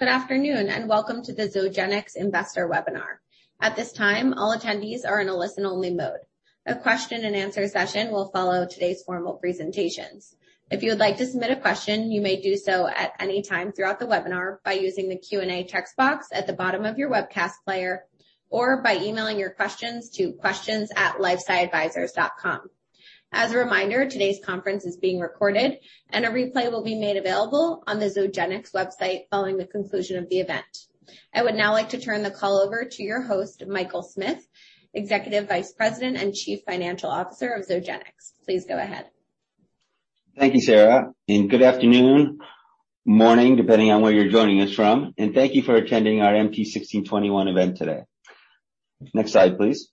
Good afternoon, and welcome to the Zogenix investor webinar. At this time, all attendees are in a listen-only mode. A question and answer session will follow today's formal presentations. If you would like to submit a question, you may do so at any time throughout the webinar by using the Q&A text box at the bottom of your webcast player, or by emailing your questions to questions@lifesciadvisors.com. As a reminder, today's conference is being recorded and a replay will be made available on the Zogenix website following the conclusion of the event. I would now like to turn the call over to your host, Michael Smith, Executive Vice President and Chief Financial Officer of Zogenix. Please go ahead. Thank you, Sarah, and good afternoon, morning, depending on where you're joining us from, and thank you for attending our MT1621 event today. Next slide, please.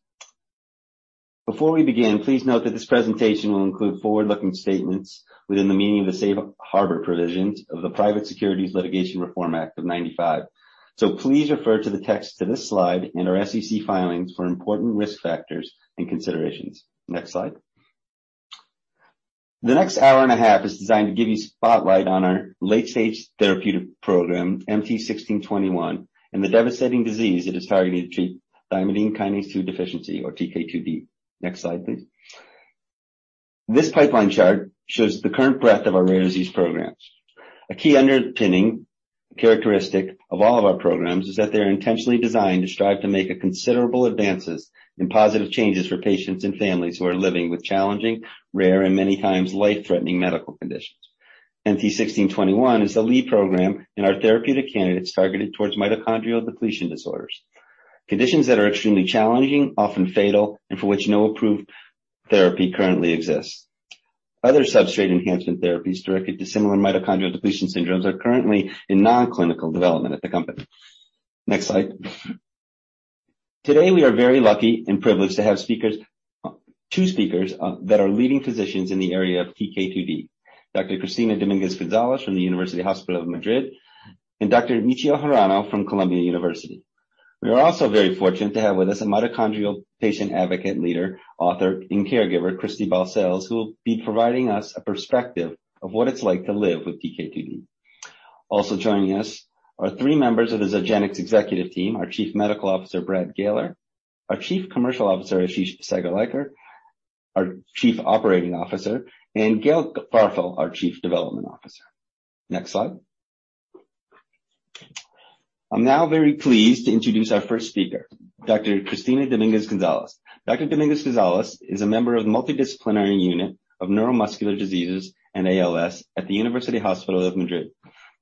Before we begin, please note that this presentation will include forward-looking statements within the meaning of the Safe Harbor Provisions of the Private Securities Litigation Reform Act of 1995. Please refer to the text on this slide and our SEC filings for important risk factors and considerations. Next slide. The next hour and a half is designed to give you spotlight on our late-stage therapeutic program, MT1621, and the devastating disease it is targeted to treat, thymidine kinase 2 deficiency, or TK2d. Next slide, please. This pipeline chart shows the current breadth of our rare disease programs. A key underpinning characteristic of all of our programs is that they are intentionally designed to strive to make a considerable advances in positive changes for patients and families who are living with challenging, rare, and many times life-threatening medical conditions. MT1621 is the lead program in our therapeutic candidates targeted towards mitochondrial depletion disorders, conditions that are extremely challenging, often fatal, and for which no approved therapy currently exists. Other substrate enhancement therapies directed to similar mitochondrial depletion syndromes are currently in non-clinical development at the company. Next slide. Today, we are very lucky and privileged to have two speakers that are leading physicians in the area of TK2d. Dr. Cristina Domínguez-González from University Hospital of Madrid and Dr. Michio Hirano from Columbia University. We are also very fortunate to have with us a mitochondrial patient advocate leader, author, and caregiver, Cristy Balcells, who will be providing us a perspective of what it's like to live with TK2d. Joining us are three members of the Zogenix executive team, our Chief Medical Officer, Brad Galer, our Chief Commercial Officer, Ashish Sagrolikar, our Chief Operating Officer, and Gail Farfel, our Chief Development Officer. Next slide. I'm now very pleased to introduce our first speaker, Dr. Cristina Domínguez-González. Dr. Domínguez-González is a member of the Multidisciplinary Unit of Neuromuscular Diseases and ALS at the Hospital Universitario at Madrid.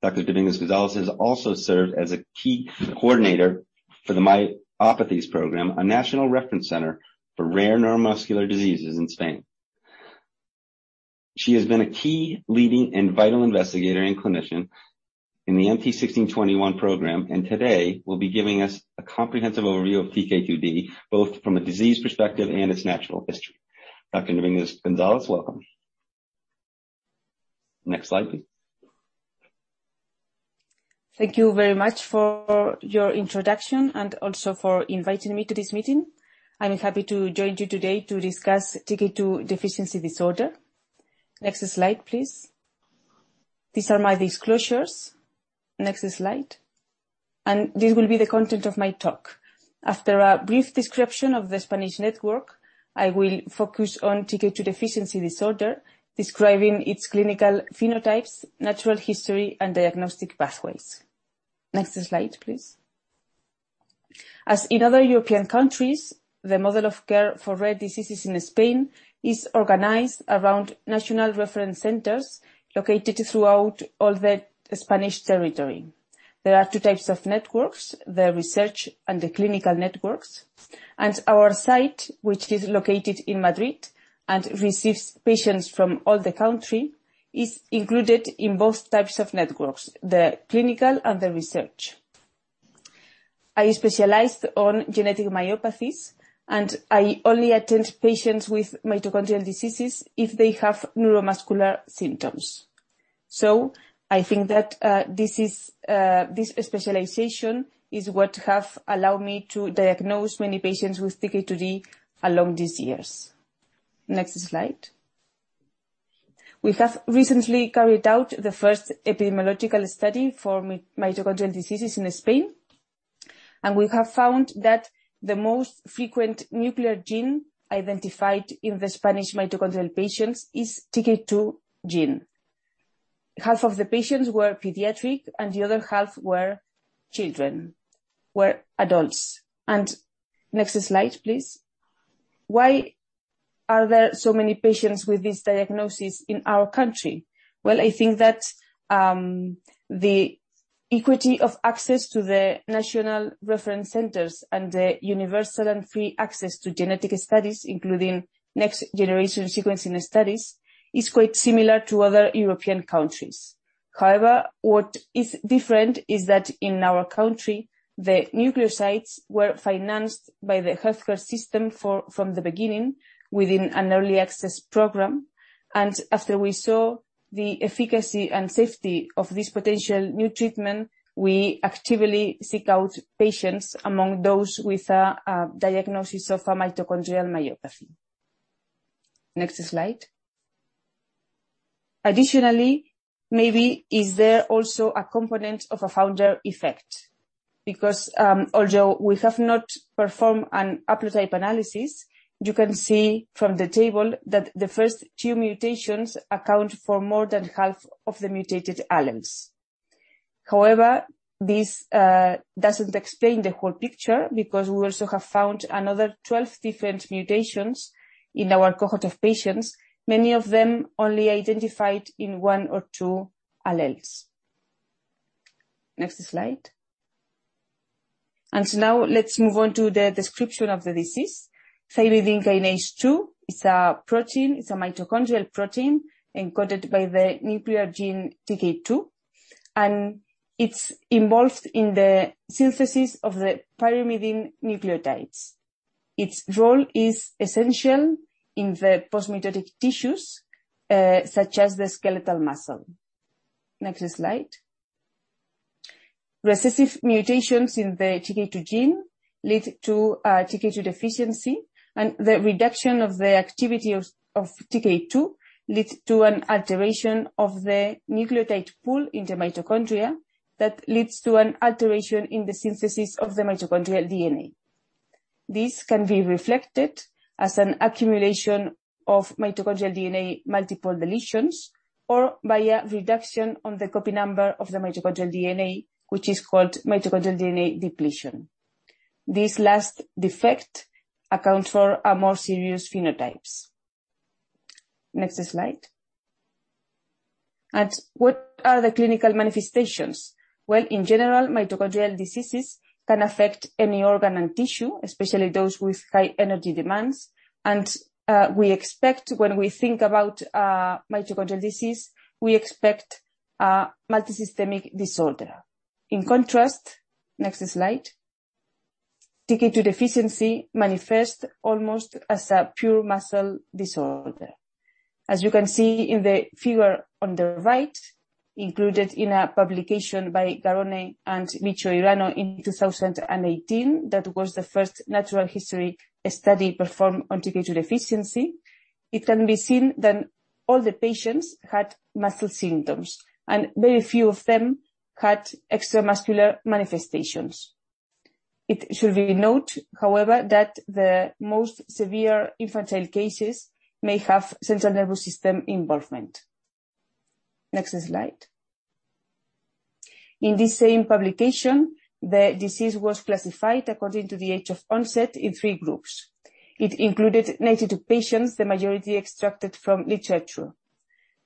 Dr. Domínguez-González has also served as a key coordinator for the Myopathies Program, a national reference center for rare neuromuscular diseases in Spain. She has been a key leading and vital investigator and clinician in the MT1621 program, and today will be giving us a comprehensive overview of TK2d, both from a disease perspective and its natural history. Dr. Domínguez-González, welcome. Next slide, please. Thank you very much for your introduction and also for inviting me to this meeting. I'm happy to join you today to discuss TK2 deficiency disorder. Next slide, please. These are my disclosures. Next slide. This will be the content of my talk. After a brief description of the Spanish network, I will focus on TK2 deficiency disorder, describing its clinical phenotypes, natural history, and diagnostic pathways. Next slide, please. As in other European countries, the model of care for rare diseases in Spain is organized around national reference centers located throughout all the Spanish territory. There are two types of networks, the research and the clinical networks. Our site, which is located in Madrid and receives patients from all the country, is included in both types of networks, the clinical and the research. I specialize on genetic myopathies, and I only attend patients with mitochondrial diseases if they have neuromuscular symptoms. I think that this specialization is what have allowed me to diagnose many patients with TK2d along these years. Next slide. We have recently carried out the first epidemiological study for mitochondrial diseases in Spain, and we have found that the most frequent nuclear gene identified in the Spanish mitochondrial patients is TK2 gene. Half of the patients were pediatric, and the other half were adults. Next slide, please. Why are there so many patients with this diagnosis in our country? I think that the equity of access to the national reference centers and the universal and free access to genetic studies, including next-generation sequencing studies, is quite similar to other European countries. However, what is different is that in our country, the nucleosides were financed by the healthcare system from the beginning within an early access program. After we saw the efficacy and safety of this potential new treatment, we actively seek out patients among those with a diagnosis of a mitochondrial myopathy. Next slide. Additionally, maybe is there also a component of a founder effect? Because although we have not performed a haplotype analysis, you can see from the table that the first two mutations account for more than half of the mutated alleles. However, this doesn't explain the whole picture because we also have found another 12 different mutations in our cohort of patients, many of them only identified in one or two alleles. Next slide. Now let's move on to the description of the disease. Thymidine kinase 2 is a protein, it's a mitochondrial protein encoded by the nuclear gene TK2, and it's involved in the synthesis of the pyrimidine nucleotides. Its role is essential in the post-mitotic tissues, such as the skeletal muscle. Next slide. Recessive mutations in the TK2 gene lead to TK2 deficiency, and the reduction of the activity of TK2 leads to an alteration of the nucleotide pool in the mitochondria that leads to an alteration in the synthesis of the mitochondrial DNA. This can be reflected as an accumulation of mitochondrial DNA multiple deletions, or via reduction in the copy number of the mitochondrial DNA, which is called mitochondrial DNA depletion. This last defect accounts for a more serious phenotypes. Next slide. What are the clinical manifestations? Well, in general, mitochondrial diseases can affect any organ and tissue, especially those with high energy demands. We expect when we think about mitochondrial disease, we expect a multisystemic disorder. In contrast. Next slide. TK2 deficiency manifest almost as a pure muscle disorder. As you can see in the figure on the right, included in a publication by Garone and Michio Hirano in 2018, that was the first natural history study performed on TK2 deficiency. It can be seen that all the patients had muscle symptoms, and very few of them had extra muscular manifestations. It should be noted, however, that the most severe infantile cases may have central nervous system involvement. Next slide. In this same publication, the disease was classified according to the age of onset in three groups. It included 92 patients, the majority extracted from literature.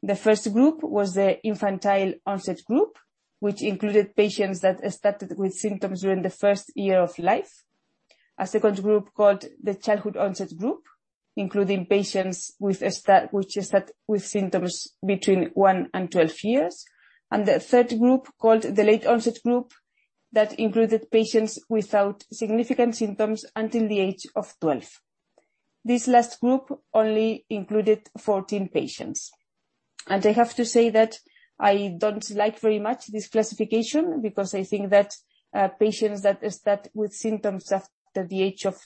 The first group was the infantile onset group, which included patients that started with symptoms during the first year of life. A second group, called the childhood onset group, including patients with symptoms between one and 12 years. The third group, called the late onset group, that included patients without significant symptoms until the age of 12. This last group only included 14 patients. I have to say that I don't like very much this classification because I think that patients that start with symptoms after the age of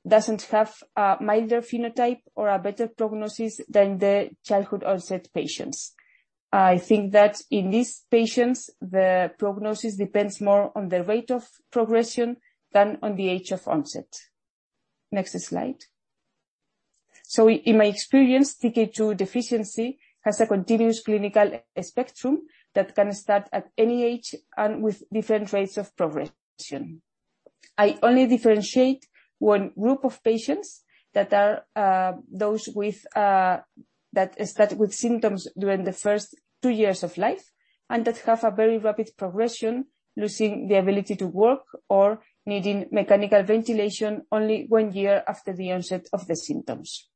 12 doesn't have a milder phenotype or a better prognosis than the childhood onset patients. I think that in these patients, the prognosis depends more on the rate of progression than on the age of onset. Next slide. In my experience, TK2 deficiency has a continuous clinical spectrum that can start at any age and with different rates of progression. I only differentiate one group of patients that are those that start with symptoms during the first two years of life and that have a very rapid progression, losing the ability to walk or needing mechanical ventilation only one year after the onset of the symptoms.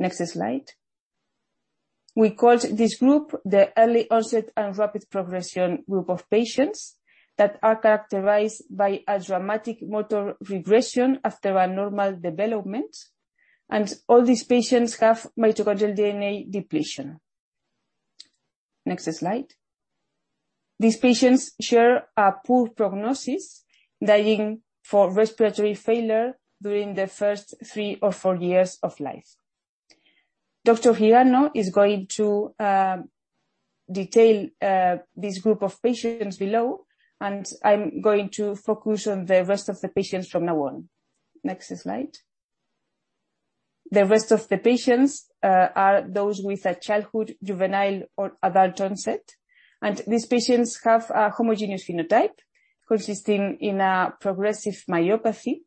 Next slide. We call this group the early onset and rapid progression group of patients that are characterized by a dramatic motor regression after a normal development. All these patients have mitochondrial DNA depletion. Next slide. These patients share a poor prognosis, dying from respiratory failure during the first three or four years of life. Dr. Hirano is going to detail this group of patients below, and I'm going to focus on the rest of the patients from now on. Next slide. The rest of the patients are those with a childhood, juvenile, or adult onset. These patients have a homogeneous phenotype consisting in a progressive myopathy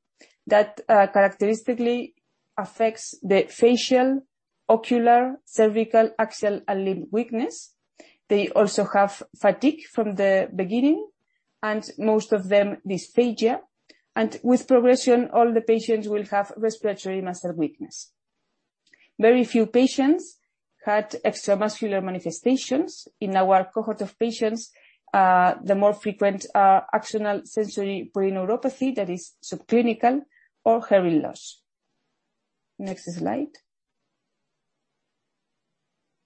that characteristically affects the facial, ocular, cervical, axial, and limb weakness. They also have fatigue from the beginning and most of them dysphagia. With progression, all the patients will have respiratory muscle weakness. Very few patients had extra muscular manifestations. In our cohort of patients, the more frequent are axonal sensory polyneuropathy that is subclinical or hearing loss. Next slide.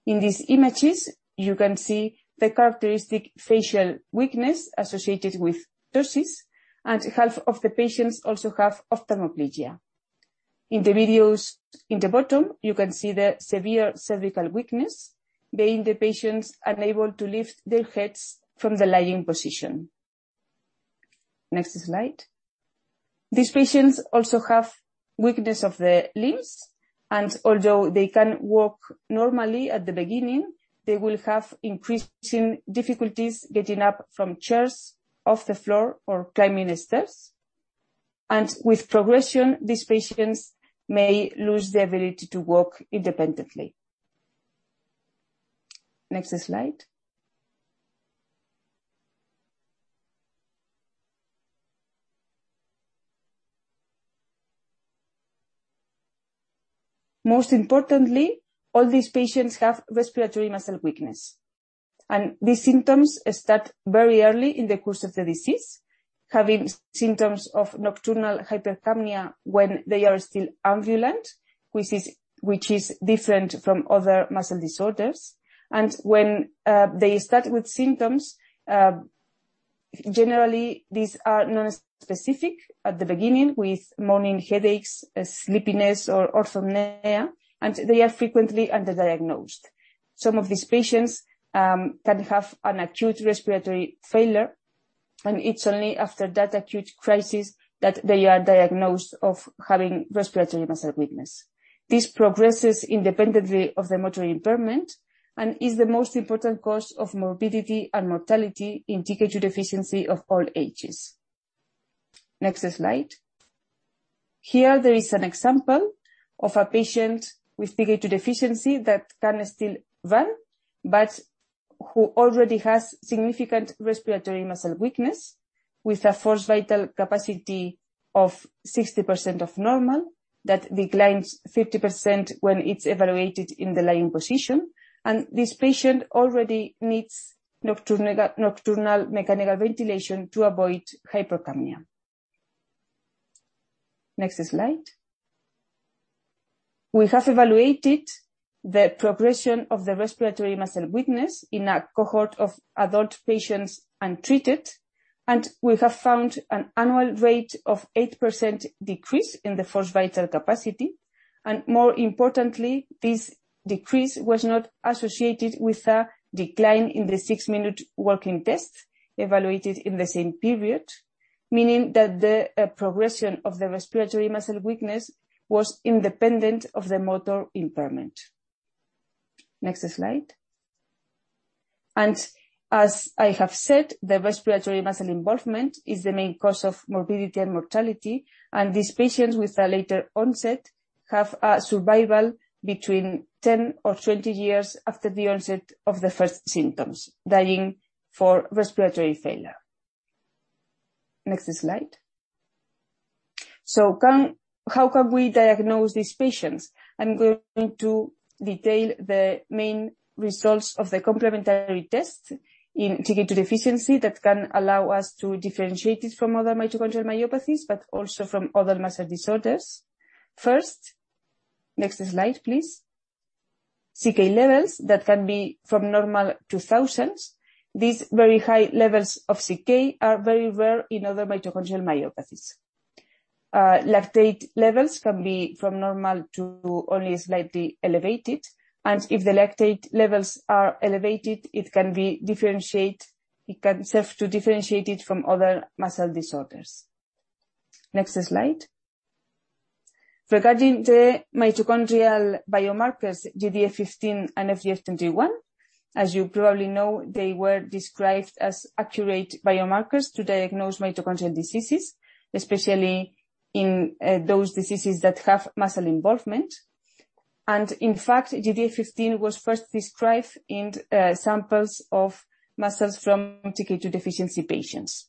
In these images, you can see the characteristic facial weakness associated with ptosis, and half of the patients also have ophthalmoplegia. In the videos in the bottom, you can see the severe cervical weakness, being the patients unable to lift their heads from the lying position. Next slide. These patients also have weakness of the limbs, and although they can walk normally at the beginning, they will have increasing difficulties getting up from chairs, off the floor, or climbing the stairs. With progression, these patients may lose the ability to walk independently. Next slide. Most importantly, all these patients have respiratory muscle weakness. These symptoms start very early in the course of the disease, having symptoms of nocturnal hypercapnia when they are still ambulant, which is different from other muscle disorders. When they start with symptoms, generally these are nonspecific at the beginning with morning headaches, sleepiness, or orthopnea, and they are frequently underdiagnosed. Some of these patients can have an acute respiratory failure, and it's only after that acute crisis that they are diagnosed of having respiratory muscle weakness. This progresses independently of the motor impairment and is the most important cause of morbidity and mortality in TK2 deficiency of all ages. Next slide. Here there is an example of a patient with TK2 deficiency that can still run, but who already has significant respiratory muscle weakness with a forced vital capacity of 60% of normal. That declines 50% when it's evaluated in the lying position. This patient already needs nocturnal mechanical ventilation to avoid hypercapnia. Next slide. We have evaluated the progression of the respiratory muscle weakness in a cohort of adult patients untreated, and we have found an annual rate of 8% decrease in the forced vital capacity. More importantly, this decrease was not associated with a decline in the 6-minute walk test evaluated in the same period. Meaning that the progression of the respiratory muscle weakness was independent of the motor impairment. Next slide. As I have said, the respiratory muscle involvement is the main cause of morbidity and mortality, and these patients with a later onset have a survival between 10 or 20 years after the onset of the first symptoms, dying for respiratory failure. Next slide. How can we diagnose these patients? I'm going to detail the main results of the complementary test in TK2 deficiency that can allow us to differentiate it from other mitochondrial myopathies, but also from other muscle disorders. First. Next slide, please. CK levels that can be from normal to thousands. These very high levels of CK are very rare in other mitochondrial myopathies. Lactate levels can be from normal to only slightly elevated, and if the lactate levels are elevated, it can be differentiate. It can serve to differentiate it from other muscle disorders. Next slide. Regarding the mitochondrial biomarkers GDF-15 and FGF-21, as you probably know, they were described as accurate biomarkers to diagnose mitochondrial diseases, especially in those diseases that have muscle involvement. In fact, GDF-15 was first described in samples of muscles from TK2 deficiency patients.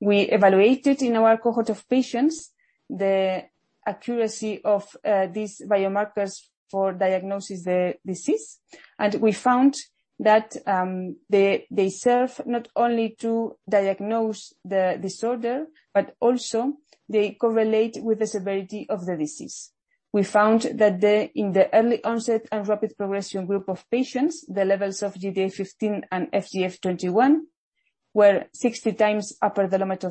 We evaluated in our cohort of patients the accuracy of these biomarkers for diagnosis the disease. We found that they serve not only to diagnose the disorder, but also they correlate with the severity of the disease. We found that in the early onset and rapid progression group of patients, the levels of GDF-15 and FGF-21 were 60 times upper the limit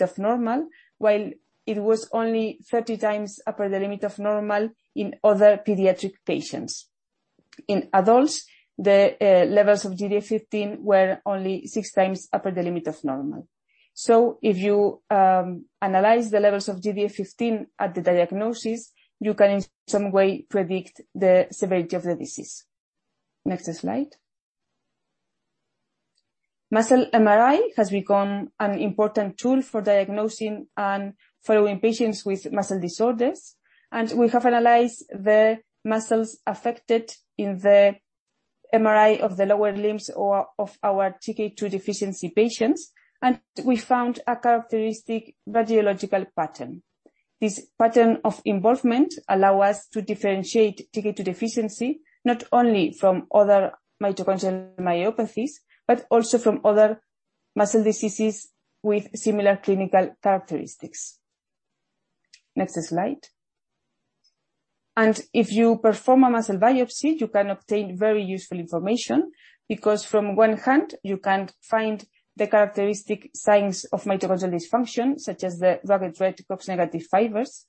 of normal. While it was only 30x upper the limit of normal in other pediatric patients. In adults, the levels of GDF-15 were only 6x the upper limit of normal. If you analyze the levels of GDF-15 at the diagnosis, you can in some way predict the severity of the disease. Next slide. Muscle MRI has become an important tool for diagnosing and following patients with muscle disorders. We have analyzed the muscles affected in the MRI of the lower limbs or of our TK2 deficiency patients, and we found a characteristic radiological pattern. This pattern of involvement allow us to differentiate TK2 deficiency, not only from other mitochondrial myopathies, but also from other muscle diseases with similar clinical characteristics. Next slide. If you perform a muscle biopsy, you can obtain very useful information because on one hand you can find the characteristic signs of mitochondrial dysfunction, such as the ragged red COX-negative fibers.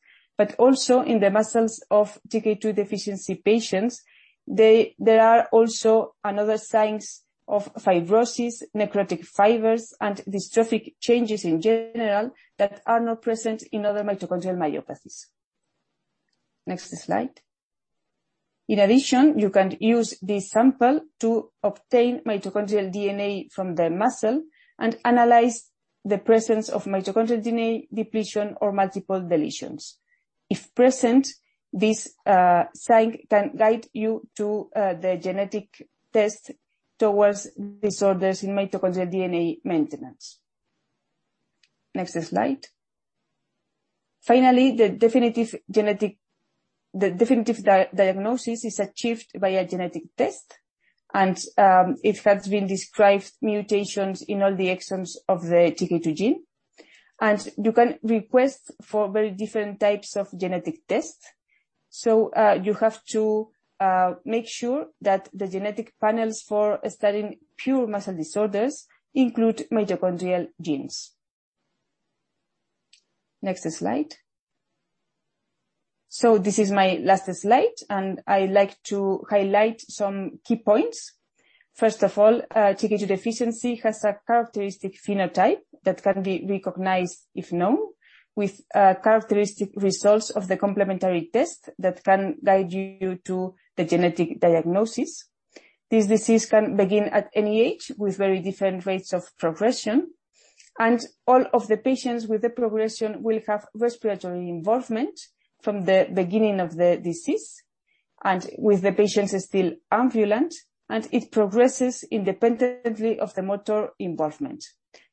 Also in the muscles of TK2 deficiency patients, there are also other signs of fibrosis, necrotic fibers, and dystrophic changes in general that are not present in other mitochondrial myopathies. Next slide. In addition, you can use this sample to obtain mitochondrial DNA from the muscle and analyze the presence of mitochondrial DNA depletion or multiple deletions. If present, this sign can guide you to the genetic test towards disorders in mitochondrial DNA maintenance. Next slide. Finally, the definitive diagnosis is achieved by a genetic test, and it has been described mutations in all the exons of the TK2 gene. You can request for very different types of genetic tests, so you have to make sure that the genetic panels for studying pure muscle disorders include mitochondrial genes. Next slide. This is my last slide, and I like to highlight some key points. First of all, TK2 deficiency has a characteristic phenotype that can be recognized, if known, with characteristic results of the complementary test that can guide you to the genetic diagnosis. This disease can begin at any age with very different rates of progression. All of the patients with the progression will have respiratory involvement from the beginning of the disease and with the patients still ambulant, and it progresses independently of the motor involvement.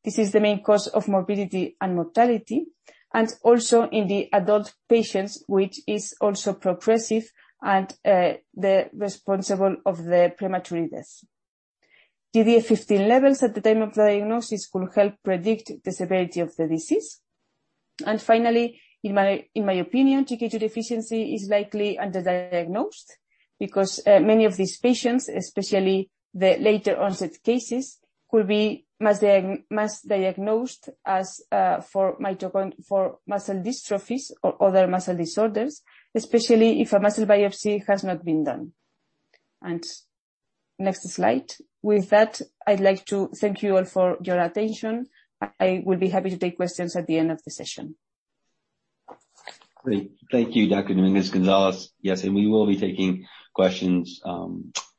This is the main cause of morbidity and mortality, and also in the adult patients, which is also progressive and the responsible of the premature death. GDF-15 levels at the time of diagnosis could help predict the severity of the disease. Finally, in my opinion, TK2 deficiency is likely underdiagnosed because many of these patients, especially the later onset cases, could be misdiagnosed as for muscular dystrophies or other muscle disorders, especially if a muscle biopsy has not been done. Next slide. With that, I'd like to thank you all for your attention. I will be happy to take questions at the end of the session. Great. Thank you, Dr. Domínguez-González. Yes, and we will be taking questions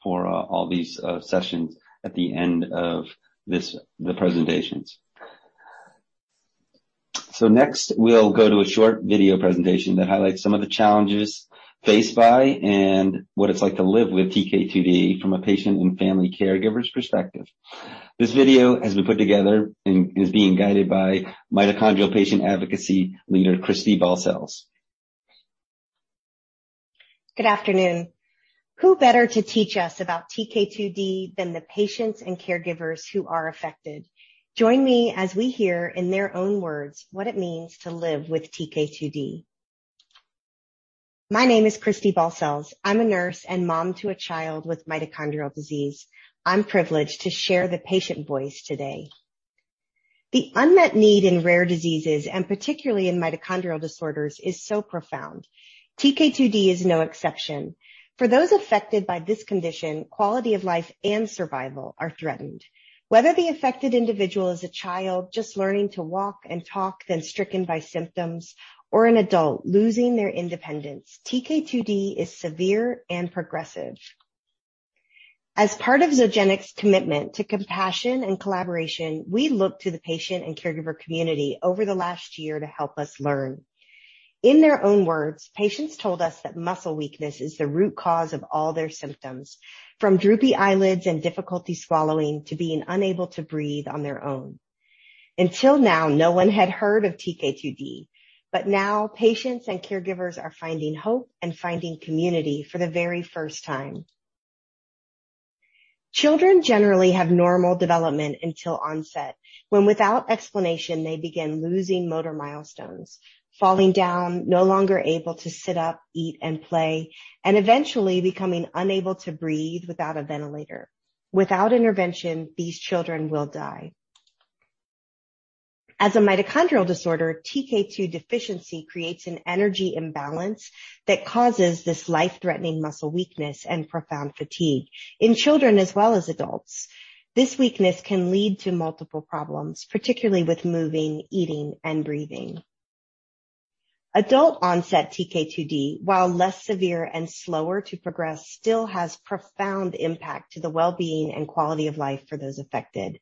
for all these sessions at the end of the presentations. Next we'll go to a short video presentation that highlights some of the challenges faced by and what it's like to live with TK2d from a patient and family caregiver's perspective. This video has been put together and is being guided by mitochondrial patient advocacy leader Cristy Balcells. Good afternoon. Who better to teach us about TK2d than the patients and caregivers who are affected? Join me as we hear in their own words what it means to live with TK2d. My name is Cristy Balcells. I'm a nurse and mom to a child with mitochondrial disease. I'm privileged to share the patient voice today. The unmet need in rare diseases, and particularly in mitochondrial disorders, is so profound. TK2d is no exception. For those affected by this condition, quality of life and survival are threatened. Whether the affected individual is a child just learning to walk and talk, then stricken by symptoms or an adult losing their independence, TK2d is severe and progressive. As part of Zogenix's commitment to compassion and collaboration, we looked to the patient and caregiver community over the last year to help us learn. In their own words, patients told us that muscle weakness is the root cause of all their symptoms, from droopy eyelids and difficulty swallowing to being unable to breathe on their own. Until now, no one had heard of TK2d. But now patients and caregivers are finding hope and finding community for the very first time. Children generally have normal development until onset, when without explanation, they begin losing motor milestones, falling down, no longer able to sit up, eat and play, and eventually becoming unable to breathe without a ventilator. Without intervention, these children will die. As a mitochondrial disorder, TK2 deficiency creates an energy imbalance that causes this life-threatening muscle weakness and profound fatigue in children as well as adults. This weakness can lead to multiple problems, particularly with moving, eating, and breathing. Adult onset TK2d, while less severe and slower to progress, still has profound impact to the well-being and quality of life for those affected.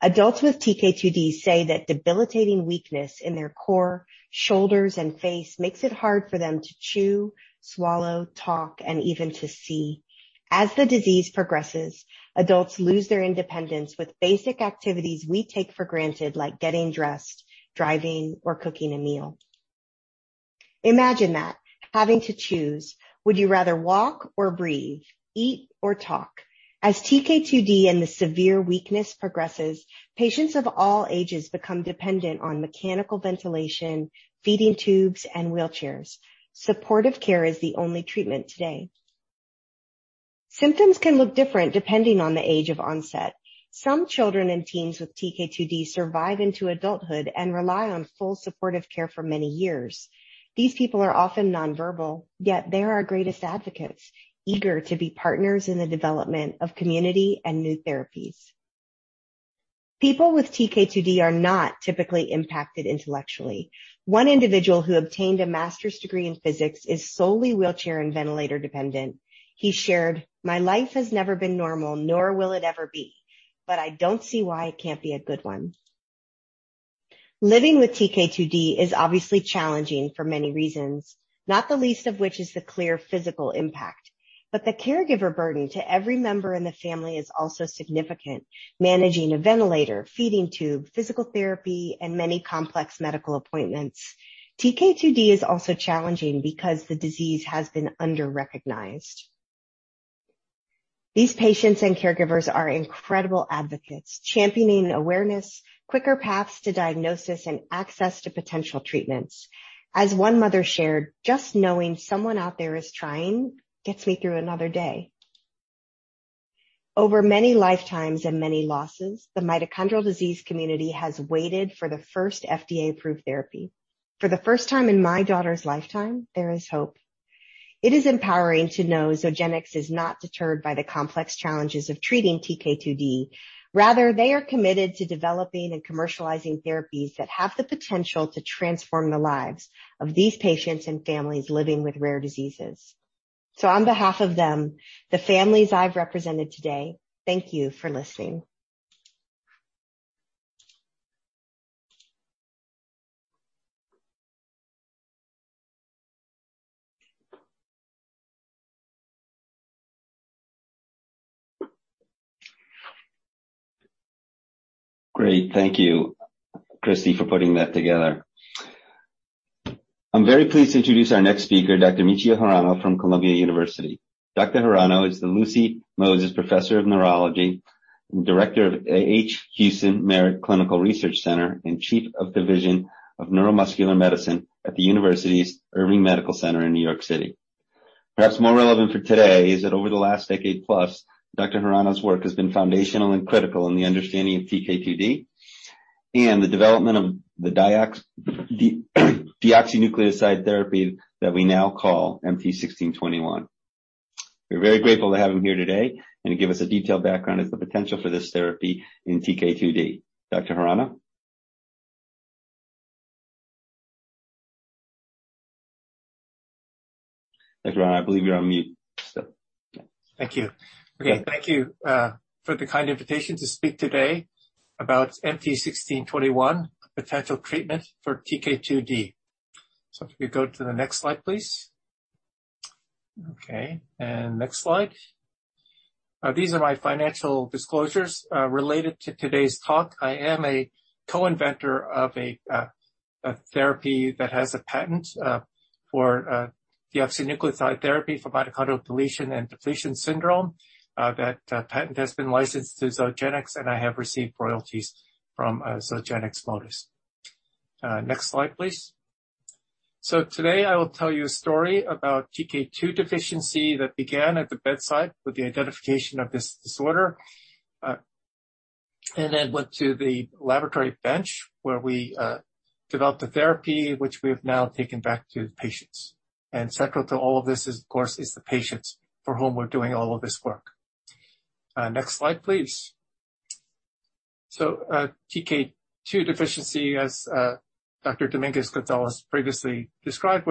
Adults with TK2d say that debilitating weakness in their core, shoulders and face makes it hard for them to chew, swallow, talk, and even to see. As the disease progresses, adults lose their independence with basic activities we take for granted, like getting dressed, driving, or cooking a meal. Imagine that having to choose, would you rather walk or breathe, eat or talk? As TK2d and the severe weakness progresses, patients of all ages become dependent on mechanical ventilation, feeding tubes, and wheelchairs. Supportive care is the only treatment today. Symptoms can look different depending on the age of onset. Some children and teens with TK2d survive into adulthood and rely on full supportive care for many years. These people are often non-verbal, yet they're our greatest advocates, eager to be partners in the development of community and new therapies. People with TK2d are not typically impacted intellectually. One individual who obtained a master's degree in physics is solely wheelchair and ventilator dependent. He shared, "My life has never been normal, nor will it ever be, but I don't see why it can't be a good one." Living with TK2d is obviously challenging for many reasons, not the least of which is the clear physical impact. The caregiver burden to every member in the family is also significant, managing a ventilator, feeding tube, physical therapy, and many complex medical appointments. TK2d is also challenging because the disease has been under-recognized. These patients and caregivers are incredible advocates, championing awareness, quicker paths to diagnosis, and access to potential treatments. As one mother shared, "Just knowing someone out there is trying gets me through another day." Over many lifetimes and many losses, the mitochondrial disease community has waited for the first FDA-approved therapy. For the first time in my daughter's lifetime, there is hope. It is empowering to know Zogenix is not deterred by the complex challenges of treating TK2d. Rather, they are committed to developing and commercializing therapies that have the potential to transform the lives of these patients and families living with rare diseases. On behalf of them, the families I've represented today, thank you for listening. Great. Thank you, Cristy, for putting that together. I'm very pleased to introduce our next speaker, Dr. Michio Hirano from Columbia University. Dr. Hirano is the Lucy G. Moses Professor of Neurology, Director of the H. Houston Merritt Clinical Research Center, and Chief of the Neuromuscular Medicine Division at Columbia University's Irving Medical Center in New York City. Perhaps more relevant for today is that over the last decade plus, Dr. Hirano's work has been foundational and critical in the understanding of TK2d and the development of the deoxynucleoside therapy that we now call MT1621. We're very grateful to have him here today and to give us a detailed background on the potential for this therapy in TK2d. Dr. Hirano? Dr. Hirano, I believe you're on mute, still. Thank you. Okay. Thank you for the kind invitation to speak today about MT1621, a potential treatment for TK2d. If you go to the next slide, please. Okay, and next slide. These are my financial disclosures related to today's talk. I am a co-inventor of a therapy that has a patent for a deoxynucleoside therapy for mitochondrial deletion and depletion syndrome. That patent has been licensed to Zogenix, and I have received royalties from Zogenix. Next slide, please. Today, I will tell you a story about TK2 deficiency that began at the bedside with the identification of this disorder, and then went to the laboratory bench, where we developed a therapy which we have now taken back to the patients. Central to all of this is, of course, the patients for whom we're doing all of this work. Next slide, please. TK2 deficiency, as Dr. Domínguez-González previously described,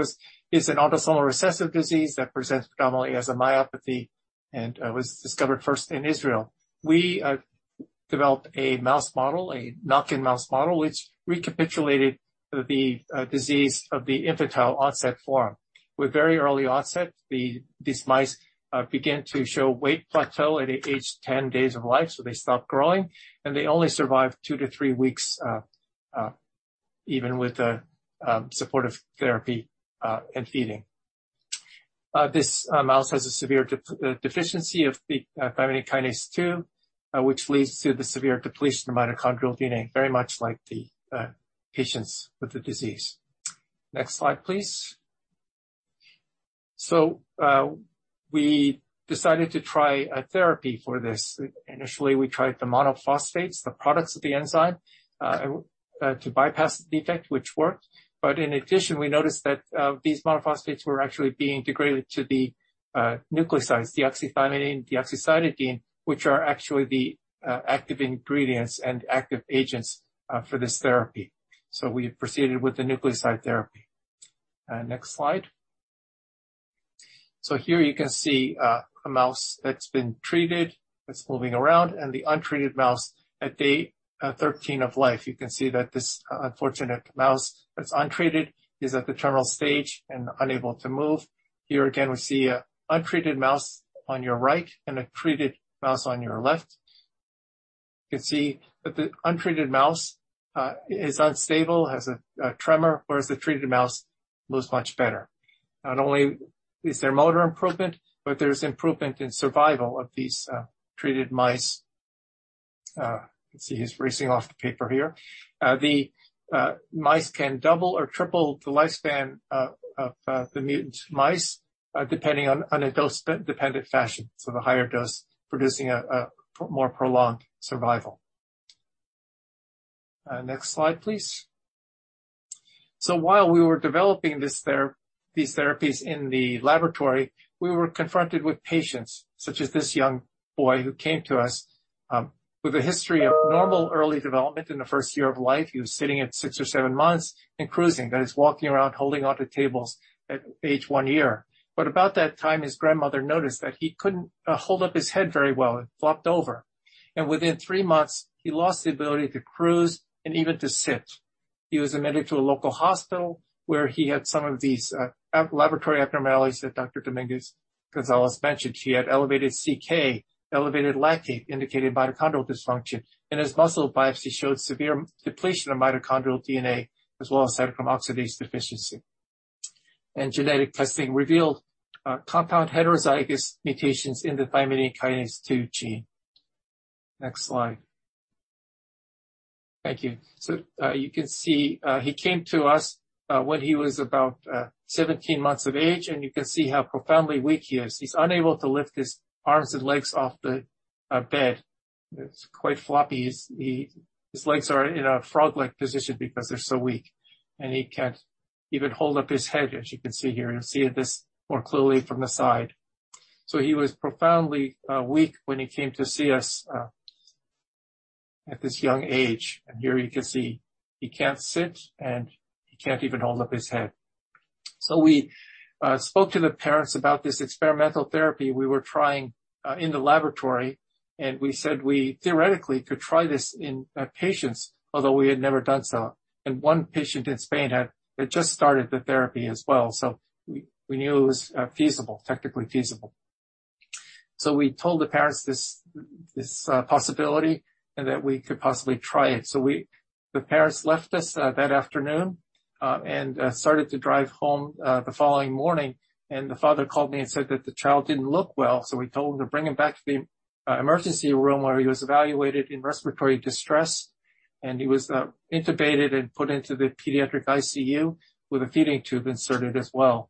is an autosomal recessive disease that presents predominantly as a myopathy and was discovered first in Israel. We developed a mouse model, a knock-in mouse model, which recapitulated the disease of the infantile onset form. With very early onset, these mice began to show weight plateau at age 10 days of life, so they stop growing, and they only survive two-three weeks, even with supportive therapy and feeding. This mouse has a severe deficiency of the thymidine kinase 2, which leads to the severe depletion of mitochondrial DNA, very much like the patients with the disease. Next slide, please. We decided to try a therapy for this. Initially, we tried the monophosphates, the products of the enzyme, to bypass the defect, which worked. In addition, we noticed that these monophosphates were actually being degraded to the nucleosides, deoxythymidine, deoxycytidine, which are actually the active ingredients and active agents for this therapy. We proceeded with the nucleoside therapy. Next slide. Here you can see a mouse that's been treated, that's moving around, and the untreated mouse at day 13 of life. You can see that this unfortunate mouse that's untreated is at the terminal stage and unable to move. Here again, we see an untreated mouse on your right and a treated mouse on your left. You can see that the untreated mouse is unstable, has a tremor, whereas the treated mouse moves much better. Not only is there motor improvement, but there's improvement in survival of these treated mice. I can see he's racing off the paper here. The mice can double or triple the lifespan of the mutant mice, depending on a dose-dependent fashion. The higher dose producing a more prolonged survival. Next slide, please. While we were developing these therapies in the laboratory, we were confronted with patients such as this young boy who came to us with a history of normal early development in the first year of life. He was sitting at six or seven months and cruising. That is walking around, holding onto tables at age one year. About that time, his grandmother noticed that he couldn't hold up his head very well. It flopped over. Within three months, he lost the ability to cruise and even to sit. He was admitted to a local hospital where he had some of these laboratory abnormalities that Dr. Domínguez-González mentioned. He had elevated CK, elevated lactate, indicated mitochondrial dysfunction, and his muscle biopsy showed severe depletion of mitochondrial DNA as well as cytochrome c oxidase deficiency. Genetic testing revealed compound heterozygous mutations in the thymidine kinase 2 gene. Next slide. Thank you. You can see he came to us when he was about 17 months of age, and you can see how profoundly weak he is. He's unable to lift his arms and legs off the bed. It's quite floppy. His legs are in a frog-like position because they're so weak and he can't even hold up his head, as you can see here. You'll see this more clearly from the side. He was profoundly weak when he came to see us at this young age. Here you can see he can't sit, and he can't even hold up his head. We spoke to the parents about this experimental therapy we were trying in the laboratory, and we said we theoretically could try this in patients, although we had never done so. One patient in Spain had just started the therapy as well. We knew it was feasible, technically feasible. We told the parents this possibility and that we could possibly try it. The parents left us that afternoon and started to drive home the following morning, and the father called me and said that the child didn't look well. We told him to bring him back to the emergency room, where he was evaluated in respiratory distress, and he was intubated and put into the pediatric ICU with a feeding tube inserted as well.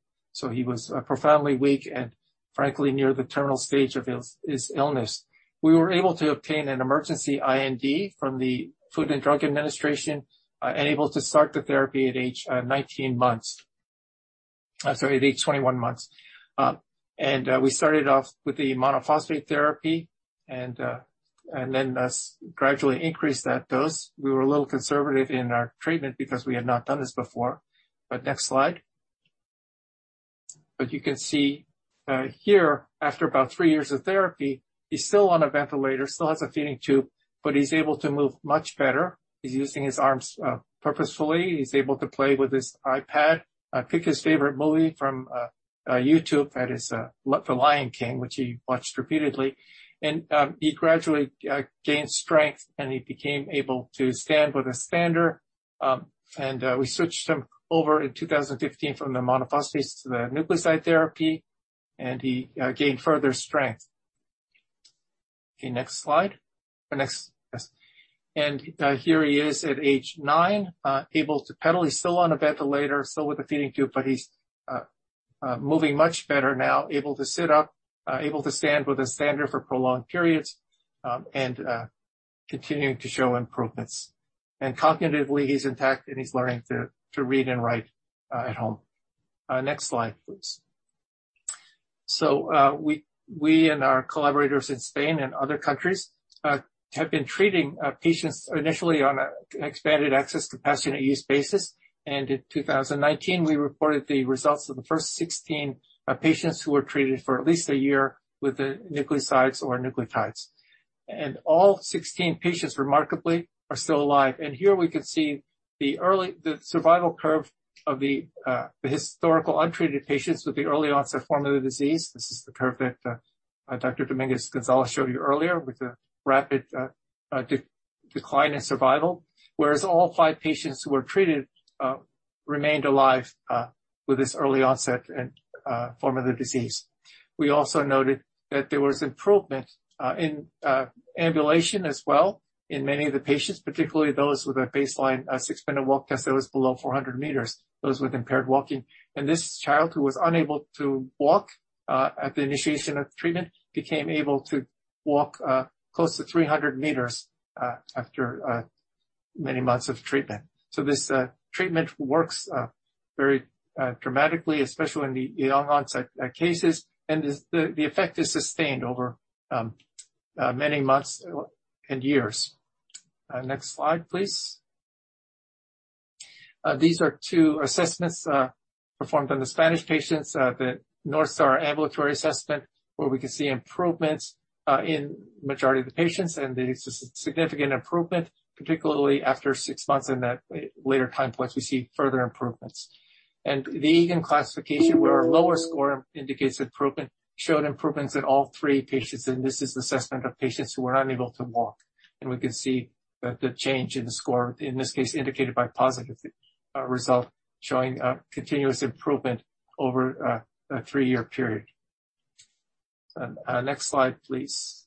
He was profoundly weak and frankly near the terminal stage of his illness. We were able to obtain an emergency IND from the Food and Drug Administration and able to start the therapy at age 21 months. We started off with the monophosphate therapy and then gradually increased that dose. We were a little conservative in our treatment because we had not done this before. Next slide. You can see here, after about three years of therapy, he's still on a ventilator, still has a feeding tube, but he's able to move much better. He's using his arms purposefully. He's able to play with his iPad, pick his favorite movie from YouTube. That is The Lion King, which he watched repeatedly. He gradually gained strength, and he became able to stand with a stander. We switched him over in 2015 from the monophosphates to the nucleoside therapy, and he gained further strength. Okay, next slide. Yes. Here he is at age nine, able to pedal. He's still on a ventilator, still with a feeding tube, but he's moving much better now, able to sit up, able to stand with a stander for prolonged periods, and continuing to show improvements. Cognitively, he's intact, and he's learning to read and write at home. Next slide, please. We and our collaborators in Spain and other countries have been treating patients initially on an expanded access compassionate use basis. In 2019, we reported the results of the first 16 patients who were treated for at least a year with the nucleosides or nucleotides. All 16 patients, remarkably, are still alive. Here we can see the survival curve of the historical untreated patients with the early onset form of the disease. This is the curve that Dr. Domínguez-González showed you earlier with the rapid decline in survival. Whereas all five patients who were treated remained alive with this early onset form of the disease. We also noted that there was improvement in ambulation as well in many of the patients, particularly those with a baseline six-minute walk test that was below 400 m, those with impaired walking. This child, who was unable to walk at the initiation of treatment, became able to walk close to 300 m after many months of treatment. This treatment works very dramatically, especially in the young onset cases, and the effect is sustained over many months and years. Next slide, please. These are two assessments performed on the Spanish patients. The North Star Ambulatory Assessment, where we can see improvements in majority of the patients and the significant improvement, particularly after six months. In that later time points, we see further improvements. The Egen klassifikation, where a lower score indicates improvement, showed improvements in all three patients, and this is assessment of patients who were unable to walk. We can see the change in the score, in this case indicated by positive result, showing continuous improvement over a three-year period. Next slide, please.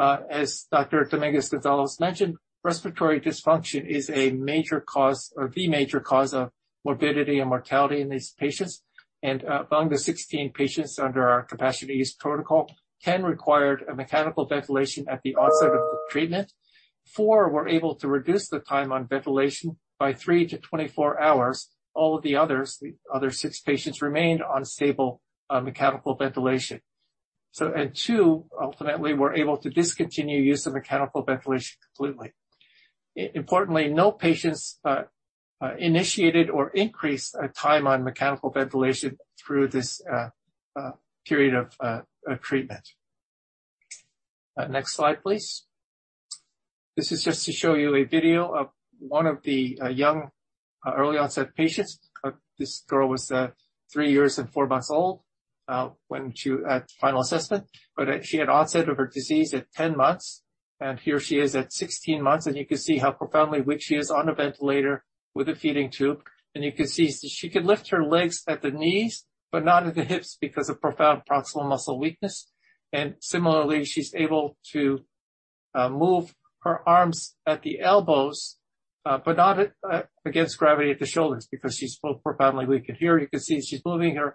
As Dr. Domínguez-González mentioned respiratory dysfunction is a major cause, or the major cause, of morbidity and mortality in these patients. Among the 16 patients under our compassionate use protocol, 10 required mechanical ventilation at the onset of the treatment. Four were able to reduce the time on ventilation by three-24 hours. All of the others, the other six patients, remained on stable mechanical ventilation. Two ultimately were able to discontinue use of mechanical ventilation completely. Importantly, no patients initiated or increased time on mechanical ventilation through this period of treatment. Next slide, please. This is just to show you a video of one of the young early-onset patients. This girl was three years and four months old when she... At final assessment, she had onset of her disease at 10 months, and here she is at 16 months, and you can see how profoundly weak she is on a ventilator with a feeding tube. You can see she could lift her legs at the knees, but not at the hips because of profound proximal muscle weakness. Similarly, she's able to move her arms at the elbows, but not against gravity at the shoulders because she's so profoundly weak. Here you can see she's moving her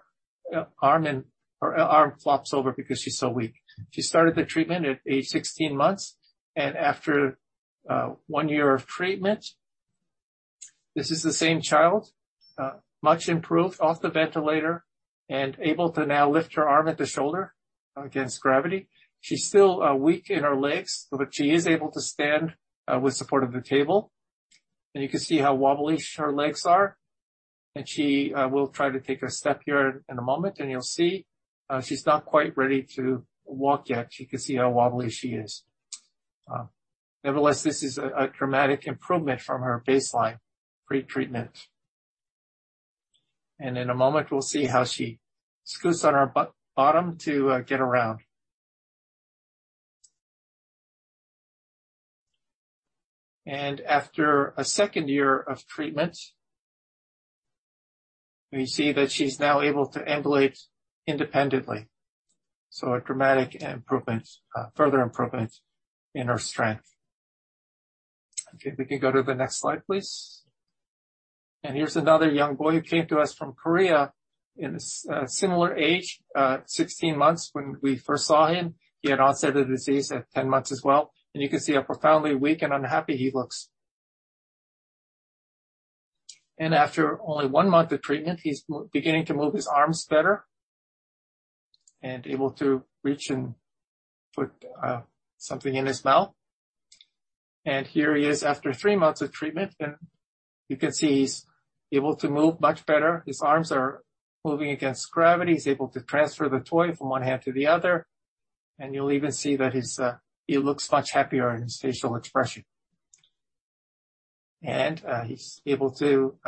arm and her arm flops over because she's so weak. She started the treatment at age 16 months and after one year of treatment, this is the same child, much improved off the ventilator and able to now lift her arm at the shoulder against gravity. She's still weak in her legs, but she is able to stand with support of the table. You can see how wobbly her legs are. She will try to take a step here in a moment and you'll see she's not quite ready to walk yet. You can see how wobbly she is. Nevertheless, this is a dramatic improvement from her baseline pre-treatment. In a moment, we'll see how she scoots on her bottom to get around. After a second year of treatment, we see that she's now able to ambulate independently. A dramatic improvement, further improvement in her strength. Okay, we can go to the next slide, please. Here's another young boy who came to us from Korea in a similar age, 16 months when we first saw him. He had onset the disease at 10 months as well. You can see how profoundly weak and unhappy he looks. After only 1 month of treatment, he's beginning to move his arms better and able to reach and put something in his mouth. Here he is after three months of treatment, and you can see he's able to move much better. His arms are moving against gravity. He's able to transfer the toy from one hand to the other. You'll even see that he looks much happier in his facial expression. He's able to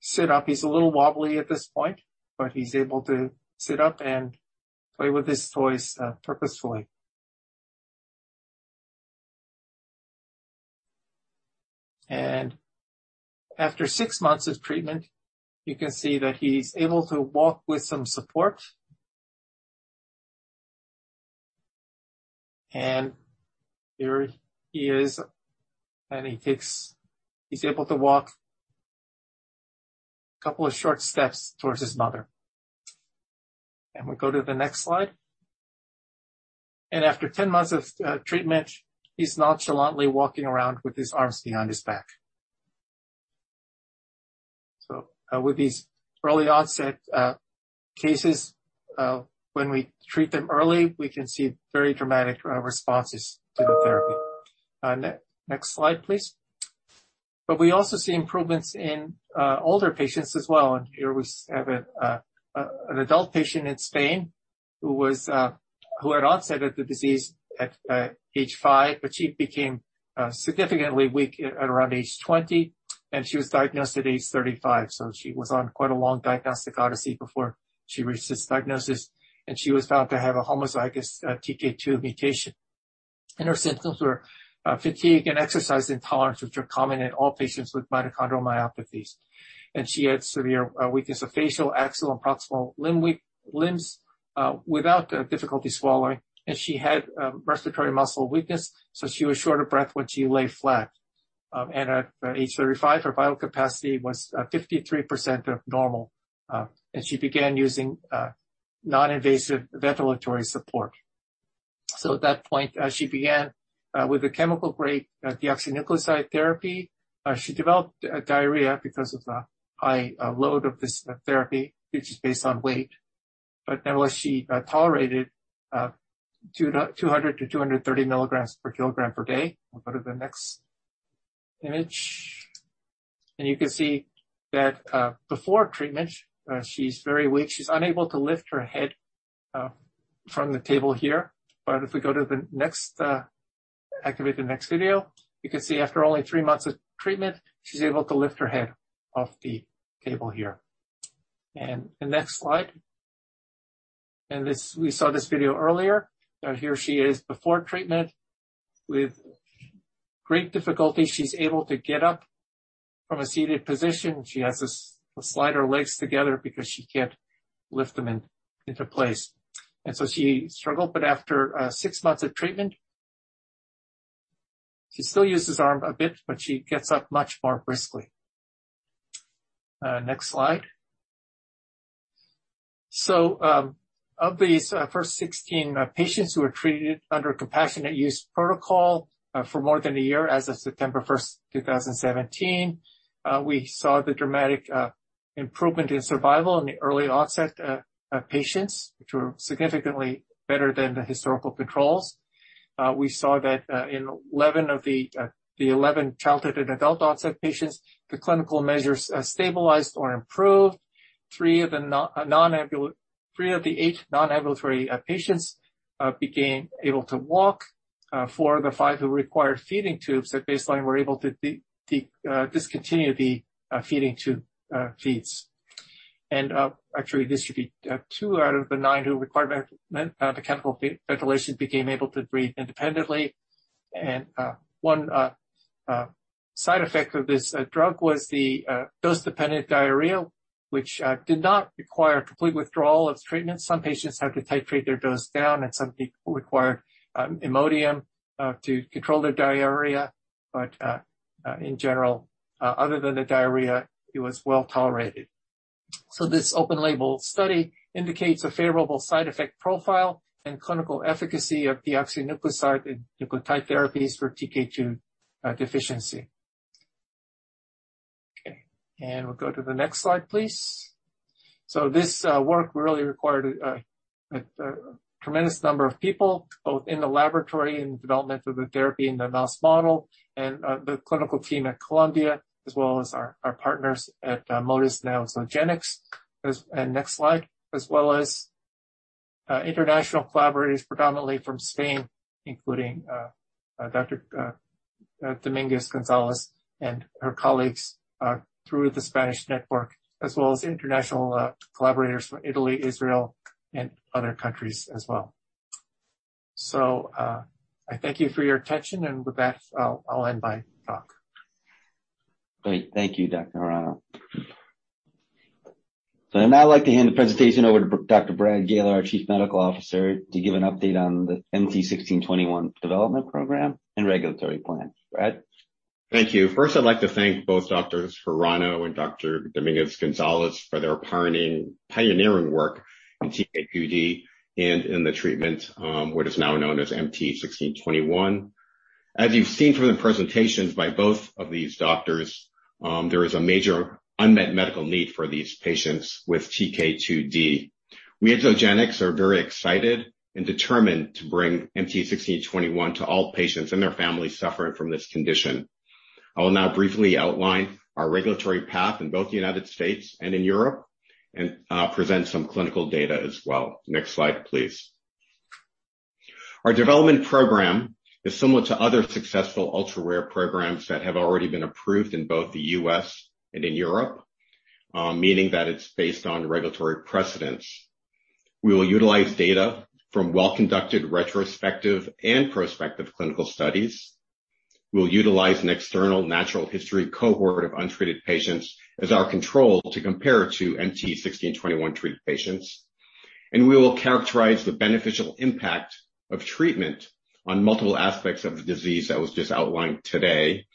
sit up. He's a little wobbly at this point, but he's able to sit up and play with his toys purposefully. After 6 months of treatment, you can see that he's able to walk with some support. Here he is, and he takes... He's able to walk a couple of short steps towards his mother. We go to the next slide. After 10 months of treatment, he's nonchalantly walking around with his arms behind his back. With these early onset cases, when we treat them early, we can see very dramatic responses to the therapy. Next slide, please. We also see improvements in older patients as well. Here we have an adult patient in Spain who had onset of the disease at age five, but she became significantly weak at around age 20, and she was diagnosed at age 35. She was on quite a long diagnostic odyssey before she reached this diagnosis, and she was found to have a homozygous TK2 mutation. Her symptoms were fatigue and exercise intolerance, which are common in all patients with mitochondrial myopathies. She had severe weakness of facial, axial, and proximal limbs without difficulty swallowing. She had respiratory muscle weakness, so she was short of breath when she lay flat. At age 35, her vital capacity was 53% of normal, and she began using non-invasive ventilatory support. At that point, she began deoxynucleoside therapy. She developed diarrhea because of the high load of this therapy, which is based on weight. Nevertheless, she tolerated 200-230 mg/kg/day. We'll go to the next image. You can see that before treatment, she's very weak. She's unable to lift her head from the table here. If we go to the next, activate the next video, you can see after only three months of treatment, she's able to lift her head off the table here. The next slide. This, we saw this video earlier. Here she is before treatment. With great difficulty, she's able to get up from a seated position. She has to slide her legs together because she can't lift them into place. She struggled, but after six months of treatment, she still uses arm a bit, but she gets up much more briskly. Next slide. Of these first 16 patients who were treated under compassionate use protocol for more than a year as of September 1, 2017, we saw the dramatic improvement in survival in the early-onset patients, which were significantly better than the historical controls. We saw that in 11 of the 11 childhood- and adult-onset patients, the clinical measures stabilized or improved. Three of the eight non-ambulatory patients became able to walk. Four of the five who required feeding tubes at baseline were able to discontinue the feeding tube feeds. Actually this should be two out of the nine who required mechanical ventilation became able to breathe independently. One side effect of this drug was the dose-dependent diarrhea, which did not require complete withdrawal of treatment. Some patients had to titrate their dose down, and some people required Imodium to control their diarrhea. In general, other than the diarrhea, it was well tolerated. This open-label study indicates a favorable side effect profile and clinical efficacy of deoxynucleoside and nucleotide therapies for TK2 deficiency. Okay, we'll go to the next slide, please. This work really required a tremendous number of people, both in the laboratory in the development of the therapy in the mouse model and the clinical team at Columbia, as well as our partners at Modis and Zogenix. Next slide, as well as international collaborators predominantly from Spain, including Dr. Domínguez-González and her colleagues through the Spanish network, as well as international collaborators from Italy, Israel, and other countries as well. I thank you for your attention, and with that, I'll end my talk. Great. Thank you, Dr. Hirano. I'd now like to hand the presentation over to Dr. Brad Galer, our Chief Medical Officer, to give an update on the MT1621 development program and regulatory plan. Brad? Thank you. First, I'd like to thank both Dr. Hirano and Dr. Domínguez-González for their pioneering work in TK2d and in the treatment what is now known as MT1621. As you've seen from the presentations by both of these doctors, there is a major unmet medical need for these patients with TK2d. We at Zogenix are very excited and determined to bring MT1621 to all patients and their families suffering from this condition. I will now briefly outline our regulatory path in both the United States and in Europe and present some clinical data as well. Next slide, please. Our development program is similar to other successful ultra-rare programs that have already been approved in both the U.S. and in Europe, meaning that it's based on regulatory precedence. We will utilize data from well-conducted retrospective and prospective clinical studies. We'll utilize an external natural history cohort of untreated patients as our control to compare to MT1621 treated patients. We will characterize the beneficial impact of treatment on multiple aspects of the disease that was just outlined today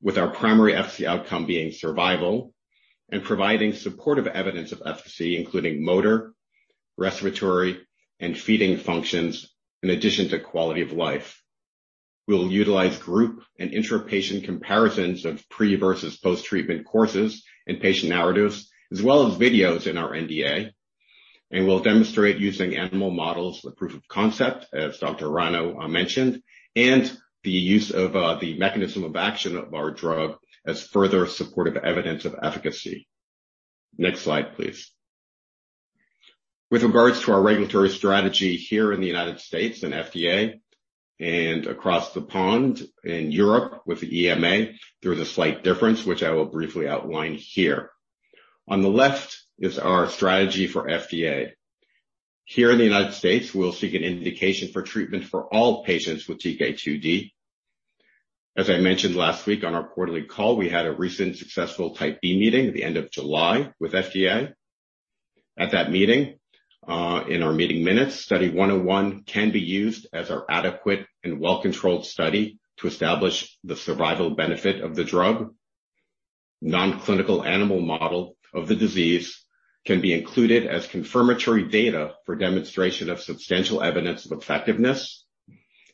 with our primary efficacy outcome being survival and providing supportive evidence of efficacy, including motor, respiratory, and feeding functions in addition to quality of life. We'll utilize group and intra-patient comparisons of pre versus post-treatment courses and patient narratives as well as videos in our NDA. We'll demonstrate using animal models the proof of concept, as Dr. Michio Hirano mentioned, and the use of the mechanism of action of our drug as further supportive evidence of efficacy. Next slide, please. With regards to our regulatory strategy here in the United States and FDA and across the pond in Europe with the EMA, there is a slight difference which I will briefly outline here. On the left is our strategy for FDA. Here in the United States, we'll seek an indication for treatment for all patients with TK2d. As I mentioned last week on our quarterly call, we had a recent successful Type B meeting at the end of July with FDA. At that meeting, in our meeting minutes, Study 101 can be used as our adequate and well-controlled study to establish the survival benefit of the drug. Non-clinical animal model of the disease can be included as confirmatory data for demonstration of substantial evidence of effectiveness.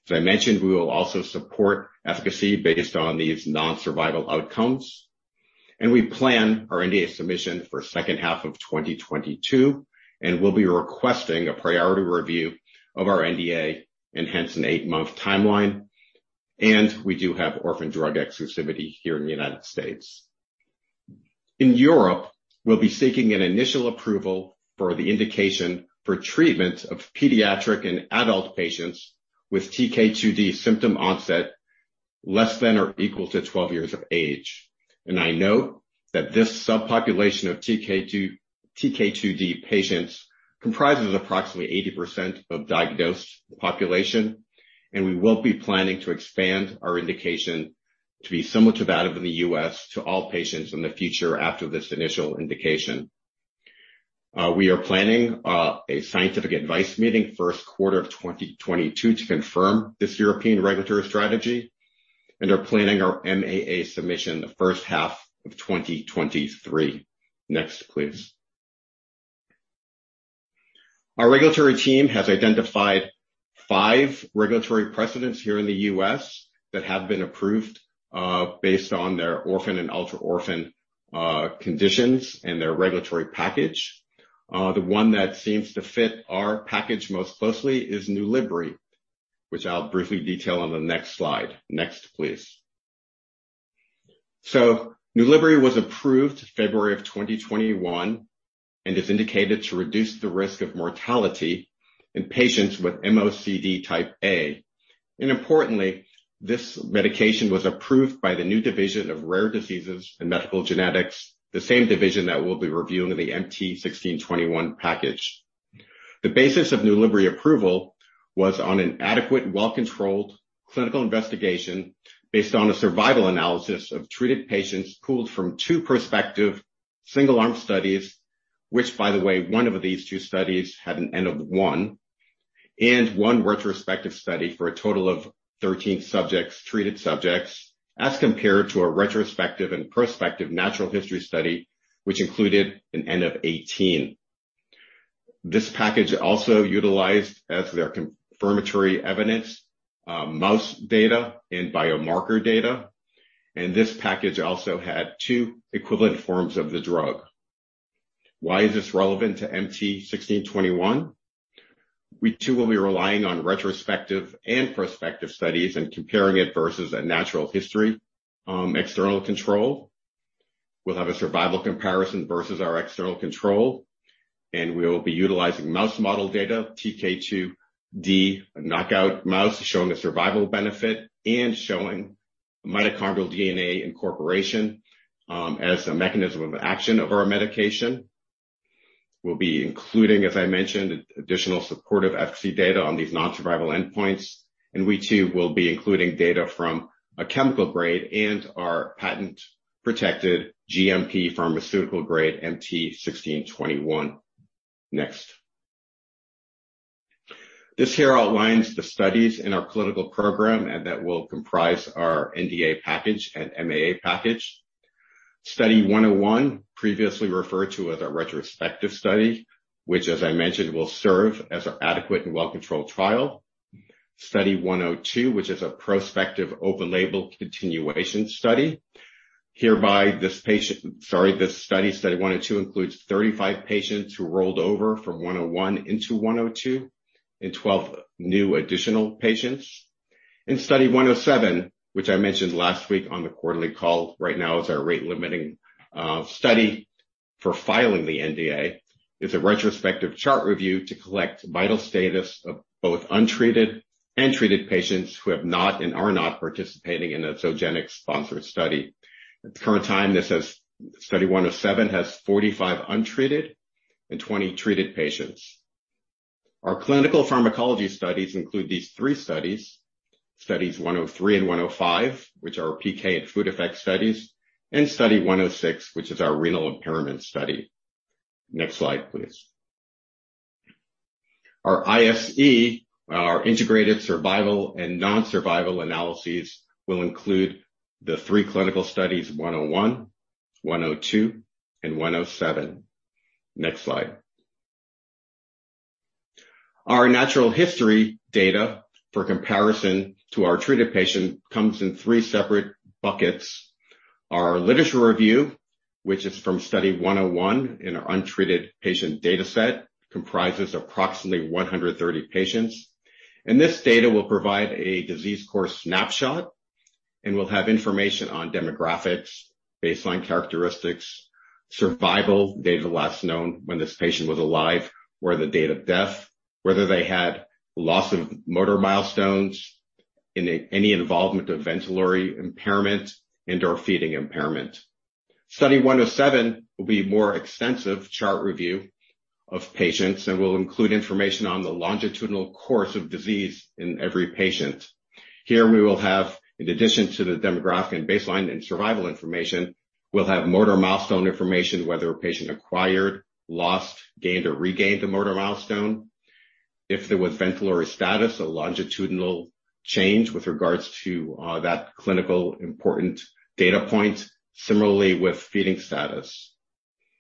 As I mentioned, we will also support efficacy based on these non-survival outcomes. We plan our NDA submission for second half of 2022, and we'll be requesting a priority review of our NDA and hence an eight month timeline, and we do have orphan drug exclusivity here in the United States. In Europe, we'll be seeking an initial approval for the indication for treatment of pediatric and adult patients with TK2d symptom onset less than or equal to 12 years of age. I note that this subpopulation of TK2, TK2d patients comprises approximately 80% of diagnosed population. We will be planning to expand our indication to be similar to that of in the US to all patients in the future after this initial indication. We are planning a scientific advice meeting first quarter of 2022 to confirm this European regulatory strategy, and are planning our MAA submission the first half of 2023. Next, please. Our regulatory team has identified 5 regulatory precedents here in the U.S. that have been approved based on their orphan and ultra-orphan conditions and their regulatory package. The one that seems to fit our package most closely is NULIBRY, which I'll briefly detail on the next slide. Next, please. NULIBRY was approved February 2021 and is indicated to reduce the risk of mortality in patients with MoCD Type A. Importantly, this medication was approved by the new Division of Rare Diseases and Medical Genetics, the same division that we'll be reviewing of the MT1621 package. The basis of NULIBRY approval was on an adequate, well-controlled clinical investigation based on a survival analysis of treated patients pooled from two prospective single-arm studies, which by the way, one of these two studies had an N of 1. One retrospective study for a total of 13 subjects, treated subjects, as compared to a retrospective and prospective natural history study, which included an N of 18. This package also utilized as their confirmatory evidence, mouse data and biomarker data, and this package also had two equivalent forms of the drug. Why is this relevant to MT1621? We, too, will be relying on retrospective and prospective studies and comparing it versus a natural history, external control. We'll have a survival comparison versus our external control, and we will be utilizing mouse model data, TK2d, a knockout mouse showing a survival benefit and showing mitochondrial DNA incorporation, as a mechanism of action of our medication. We'll be including, as I mentioned, additional supportive FC data on these non-survival endpoints. We, too, will be including data from a chemical grade and our patent-protected GMP pharmaceutical grade MT1621. Next. This here outlines the studies in our clinical program, and that will comprise our NDA package and MAA package. Study 101, previously referred to as our retrospective study, which as I mentioned, will serve as our adequate and well-controlled trial. Study 102, which is a prospective open label continuation study. This study, Study 102 includes 35 patients who rolled over from 101 into 102 and 12 new additional patients. In Study 107, which I mentioned last week on the quarterly call right now is our rate-limiting study for filing the NDA. It's a retrospective chart review to collect vital status of both untreated and treated patients who have not and are not participating in a Zogenix-sponsored study. At the current time, this has Study 107 has 45 untreated and 20 treated patients. Our clinical pharmacology studies include these three studies. Studies 103 and 105, which are PK and food effect studies, and Study 106, which is our renal impairment study. Next slide, please. Our ISE, our integrated survival and non-survival analyses, will include the three clinical studies 101, 102, and 107. Next slide. Our natural history data for comparison to our treated patient comes in three separate buckets. Our literature review, which is from Study 101 in our untreated patient data set, comprises approximately 130 patients. This data will provide a disease course snapshot and will have information on demographics, baseline characteristics, survival data last known when this patient was alive or the date of death, whether they had loss of motor milestones and any involvement of ventilatory impairment and/or feeding impairment. Study 107 will be more extensive chart review of patients and will include information on the longitudinal course of disease in every patient. Here we will have, in addition to the demographic and baseline and survival information, we'll have motor milestone information, whether a patient acquired, lost, gained, or regained a motor milestone. If there was ventilatory status or longitudinal change with regards to that clinical important data point. Similarly with feeding status.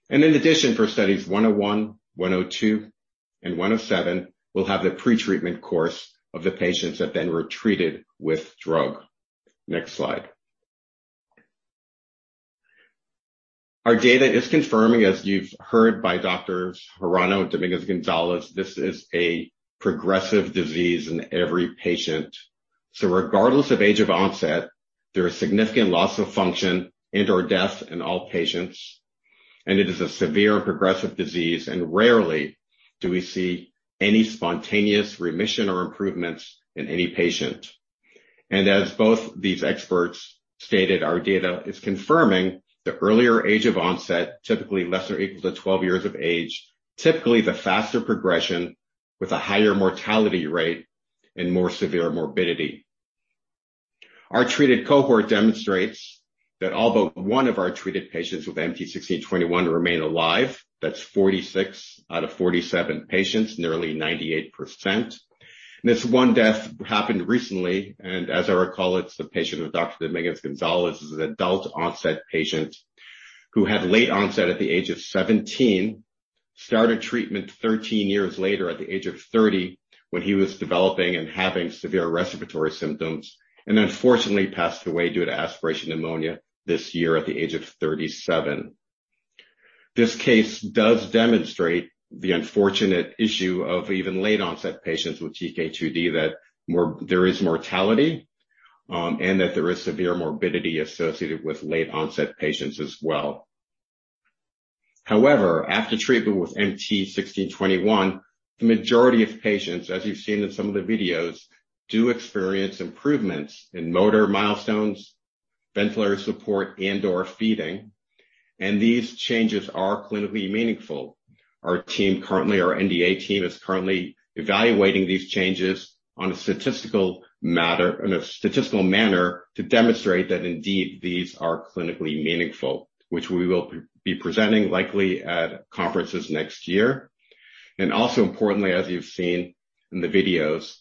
In addition for studies 101, 102, and 107, we'll have the pre-treatment course of the patients that then were treated with drug. Next slide. Our data is confirming, as you've heard from Doctors Hirano and Domínguez-González, this is a progressive disease in every patient. Regardless of age of onset, there is significant loss of function and/or death in all patients. It is a severe progressive disease and rarely do we see any spontaneous remission or improvements in any patient. As both these experts stated, our data is confirming the earlier age of onset, typically less or equal to 12 years of age, typically the faster progression with a higher mortality rate and more severe morbidity. Our treated cohort demonstrates that all but one of our treated patients with MT1621 remain alive. That's 46 out of 47 patients, nearly 98%. This one death happened recently, and as I recall, it's the patient of Dr. Domínguez-González's adult onset patient who had late onset at the age of 17, started treatment 13 years later at the age of 30 when he was developing and having severe respiratory symptoms, and unfortunately passed away due to aspiration pneumonia this year at the age of 37. This case does demonstrate the unfortunate issue of even late onset patients with TK2d, that there is mortality, and that there is severe morbidity associated with late onset patients as well. However, after treatment with MT1621, the majority of patients, as you've seen in some of the videos, do experience improvements in motor milestones, ventilator support and/or feeding, and these changes are clinically meaningful. Our team currently... Our NDA team is currently evaluating these changes on a statistical matter, in a statistical manner to demonstrate that indeed these are clinically meaningful, which we will probably be presenting likely at conferences next year. Also importantly, as you've seen in the videos,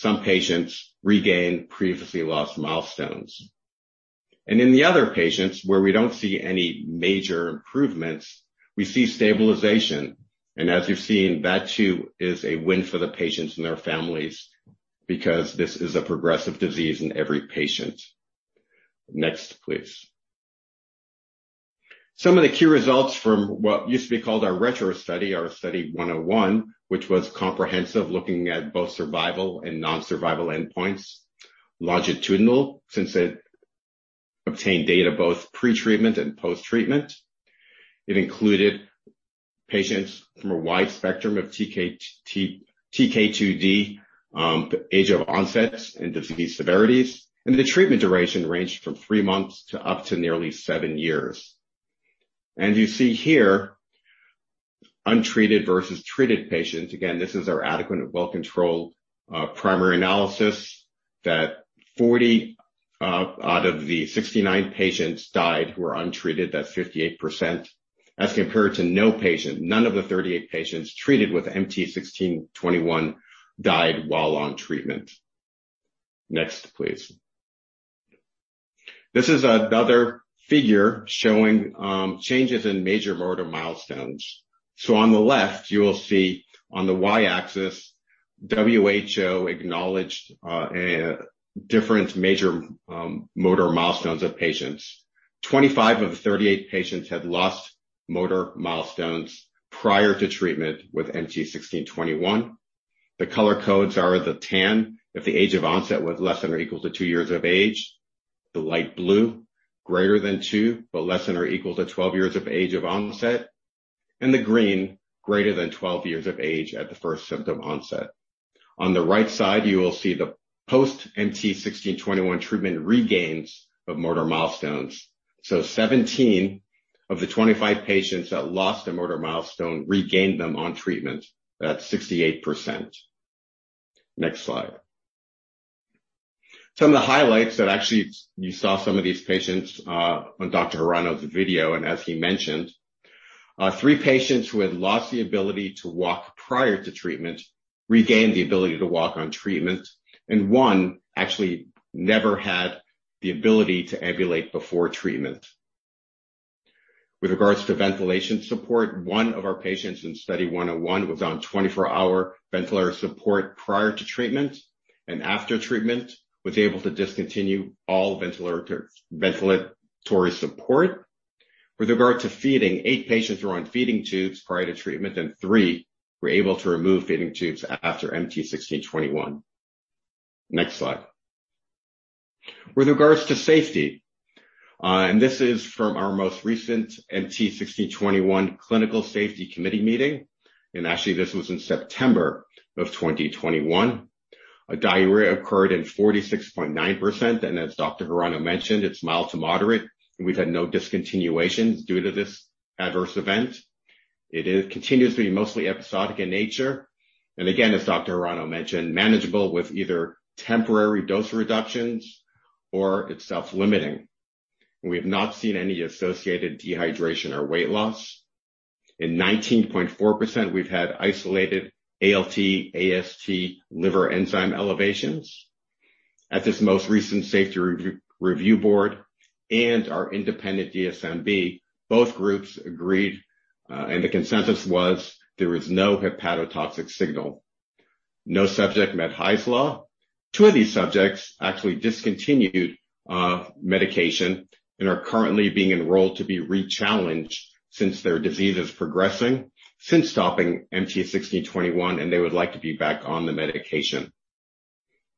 some patients regain previously lost milestones. In the other patients where we don't see any major improvements, we see stabilization. As you've seen, that too is a win for the patients and their families because this is a progressive disease in every patient. Next, please. Some of the key results from what used to be called our retro study, our Study 101, which was comprehensive, looking at both survival and non-survival endpoints, longitudinal, since it obtained data both pre-treatment and post-treatment. It included patients from a wide spectrum of TK2d, age of onsets and disease severities, and the treatment duration ranged from three months to up to nearly seven years. You see here untreated versus treated patients. Again, this is our adequate and well-controlled primary analysis that 40 out of the 69 patients died who were untreated. That's 58%. As compared to no patient. None of the 38 patients treated with MT1621 died while on treatment. Next, please. This is another figure showing changes in major motor milestones. On the left you will see on the Y-axis, WHO-acknowledged different major motor milestones of patients. 25 of the 38 patients had lost motor milestones prior to treatment with MT1621. The color codes are the tan if the age of onset was less than or equal to two years of age, the light blue greater than two, but less than or equal to 12 years of age of onset, and the green greater than 12 years of age at the first symptom onset. On the right side, you will see the post MT1621 treatment regains of motor milestones. 17 of the 25 patients that lost a motor milestone regained them on treatment. That's 68%. Next slide. Some of the highlights that actually you saw some of these patients on Dr. Hirano's video, and as he mentioned, three patients who had lost the ability to walk prior to treatment regained the ability to walk on treatment, and one actually never had the ability to ambulate before treatment. With regards to ventilation support, one of our patients in Study 101 was on 24-hour ventilator support prior to treatment, and after treatment was able to discontinue all ventilator, ventilatory support. With regard to feeding, 8 patients were on feeding tubes prior to treatment, and three were able to remove feeding tubes after MT1621. Next slide. With regards to safety, and this is from our most recent MT1621 Clinical Safety Committee meeting, and actually this was in September 2021. Diarrhea occurred in 46.9%, and as Dr. Michio Hirano mentioned, it's mild to moderate, and we've had no discontinuations due to this adverse event. It is continuously mostly episodic in nature, and again, as Dr. Michio Hirano mentioned, manageable with either temporary dose reductions or it's self-limiting. We have not seen any associated dehydration or weight loss. In 19.4%, we've had isolated ALT, AST liver enzyme elevations. At this most recent safety review board and our independent DSMB, both groups agreed, and the consensus was there is no hepatotoxic signal. No subject met Hy's Law. Two of these subjects actually discontinued medication and are currently being enrolled to be rechallenged since their disease is progressing since stopping MT1621, and they would like to be back on the medication.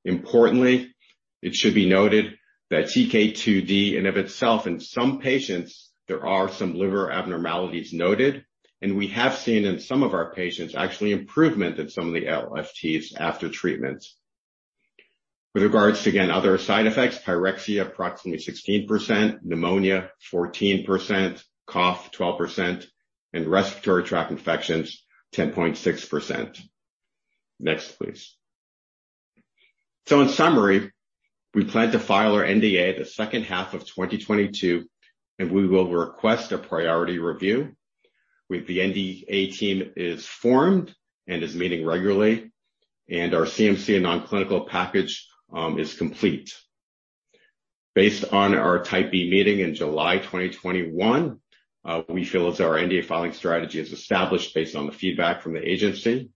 Importantly, it should be noted that TK2d in of itself in some patients, there are some liver abnormalities noted, and we have seen in some of our patients actually improvement in some of the LFTs after treatments. With regards to, again, other side effects, pyrexia approximately 16%, pneumonia 14%, cough 12%, and respiratory tract infections 10.6%. Next, please. In summary, we plan to file our NDA the second half of 2022, and we will request a priority review. The NDA team is formed and is meeting regularly, and our CMC and non-clinical package is complete. Based on our Type B meeting in July 2021, we feel our NDA filing strategy is established based on the feedback from the agency.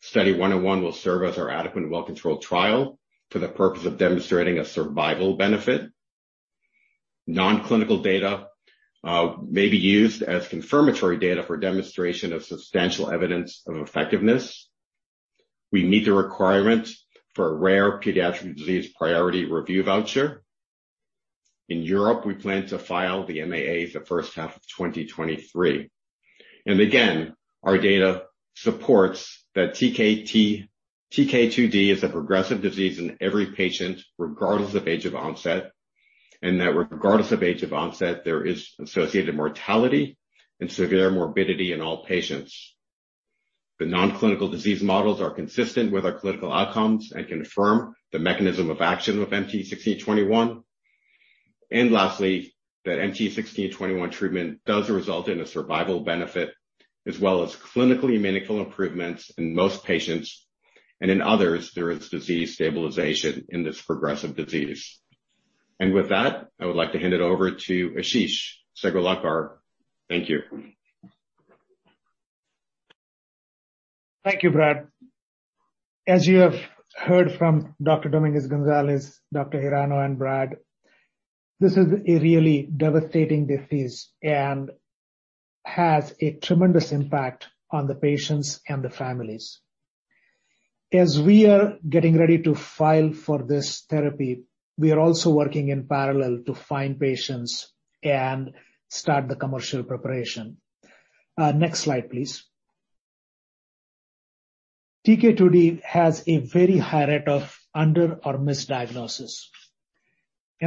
Study 101 will serve as our adequate and well-controlled trial for the purpose of demonstrating a survival benefit. Non-clinical data may be used as confirmatory data for demonstration of substantial evidence of effectiveness. We meet the requirement for a rare pediatric disease priority review voucher. In Europe, we plan to file the MAA the first half of 2023. Again, our data supports that TK2d is a progressive disease in every patient, regardless of age of onset, and that regardless of age of onset, there is associated mortality and severe morbidity in all patients. The non-clinical disease models are consistent with our clinical outcomes and confirm the mechanism of action of MT 1621. Lastly, that MT 1621 treatment does result in a survival benefit as well as clinically meaningful improvements in most patients, and in others, there is disease stabilization in this progressive disease. With that, I would like to hand it over to Ashish Sagrolikar. Thank you. Thank you, Brad. As you have heard from Dr. Domínguez-González, Dr. Hirano, and Brad, this is a really devastating disease and has a tremendous impact on the patients and the families. As we are getting ready to file for this therapy, we are also working in parallel to find patients and start the commercial preparation. Next slide, please. TK2d has a very high rate of under or misdiagnosis.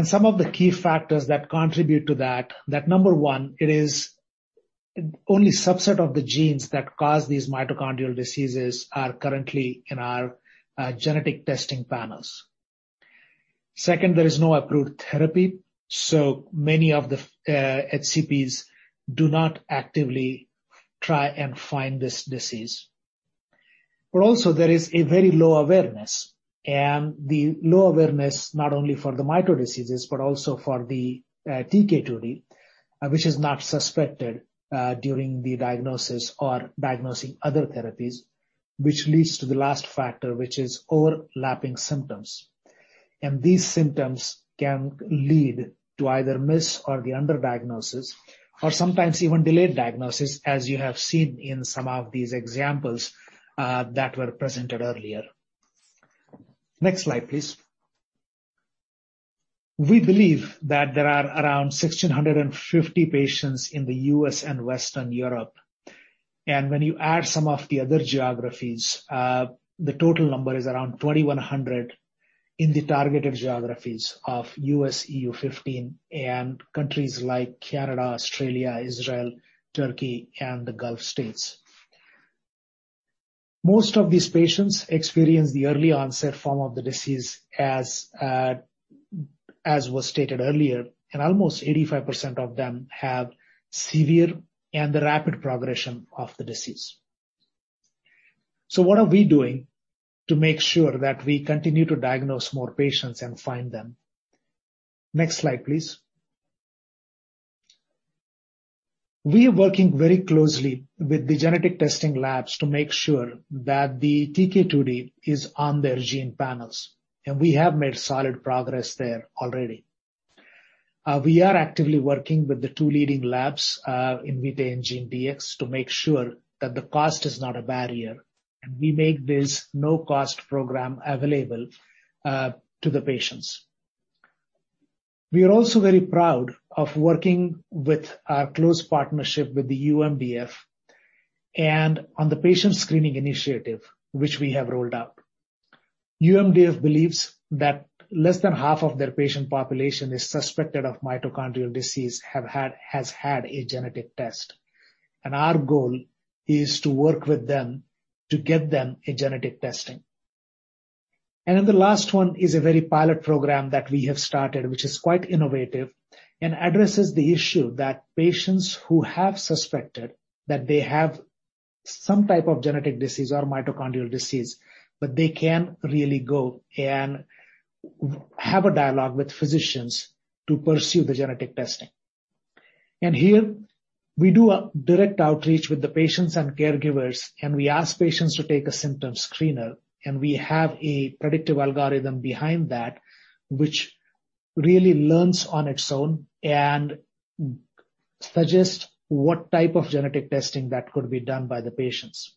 Some of the key factors that contribute to that, number one, it is only subset of the genes that cause these mitochondrial diseases are currently in our genetic testing panels. Second, there is no approved therapy, so many of the HCPs do not actively try and find this disease. There is a very low awareness, and the low awareness not only for the mito diseases, but also for the TK2d, which is not suspected during the diagnosis or diagnosing other therapies, which leads to the last factor, which is overlapping symptoms. These symptoms can lead to either miss or the underdiagnosis or sometimes even delayed diagnosis, as you have seen in some of these examples that were presented earlier. Next slide, please. We believe that there are around 1,650 patients in the U.S. and Western Europe. When you add some of the other geographies, the total number is around 2,100 in the targeted geographies of U.S., EU 15, and countries like Canada, Australia, Israel, Turkey, and the Gulf States. Most of these patients experience the early-onset form of the disease as was stated earlier, and almost 85% of them have severe and rapid progression of the disease. What are we doing to make sure that we continue to diagnose more patients and find them? Next slide, please. We are working very closely with the genetic testing labs to make sure that the TK2d is on their gene panels, and we have made solid progress there already. We are actively working with the two leading labs, Invitae and GeneDx, to make sure that the cost is not a barrier, and we make this no-cost program available to the patients. We are also very proud of working with our close partnership with the UMDF and on the patient screening initiative, which we have rolled out. UMDF believes that less than half of their patient population is suspected of mitochondrial disease has had a genetic test, and our goal is to work with them to get them a genetic testing. The last one is a very pilot program that we have started, which is quite innovative and addresses the issue that patients who have suspected that they have some type of genetic disease or mitochondrial disease, but they can't really go and have a dialogue with physicians to pursue the genetic testing. Here we do a direct outreach with the patients and caregivers, and we ask patients to take a symptom screener, and we have a predictive algorithm behind that which really learns on its own and suggests what type of genetic testing that could be done by the patients.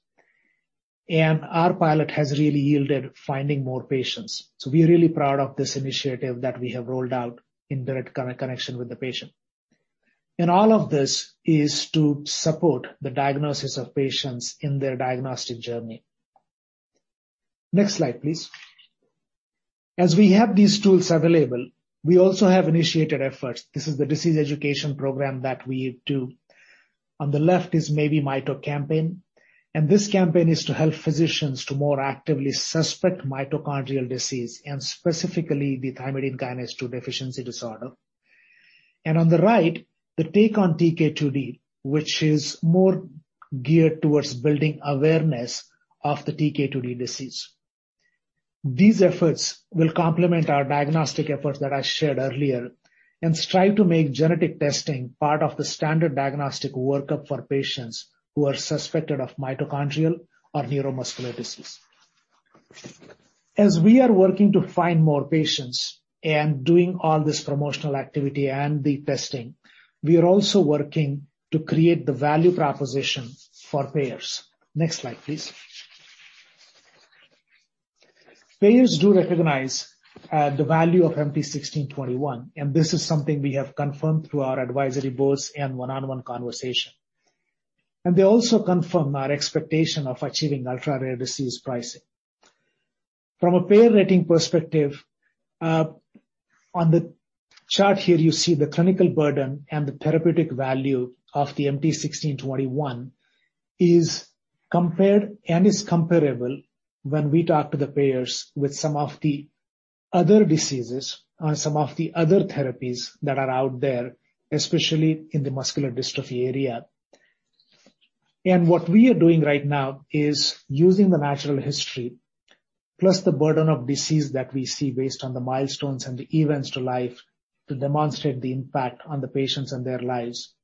Our pilot has really yielded finding more patients, so we're really proud of this initiative that we have rolled out in direct connection with the patient. All of this is to support the diagnosis of patients in their diagnostic journey. Next slide, please. As we have these tools available, we also have initiated efforts. This is the disease education program that we do. On the left is Maybe It's Mito campaign, and this campaign is to help physicians to more actively suspect mitochondrial disease and specifically the thymidine kinase 2 deficiency disorder. On the right, the Take On TK2d, which is more geared towards building awareness of the TK2d disease. These efforts will complement our diagnostic efforts that I shared earlier and strive to make genetic testing part of the standard diagnostic workup for patients who are suspected of mitochondrial or neuromuscular disease. As we are working to find more patients and doing all this promotional activity and the testing, we are also working to create the value proposition for payers. Next slide, please. Payers do recognize the value of MT1621, and this is something we have confirmed through our advisory boards and one-on-one conversation. They also confirm our expectation of achieving ultra-rare disease pricing. From a payer rating perspective, on the chart here, you see the clinical burden, and the therapeutic value of the MT1621 is compared and is comparable when we talk to the payers with some of the other diseases or some of the other therapies that are out there, especially in the muscular dystrophy area. What we are doing right now is using the natural history plus the burden of disease that we see based on the milestones and the events to life to demonstrate the impact on the patients and their lives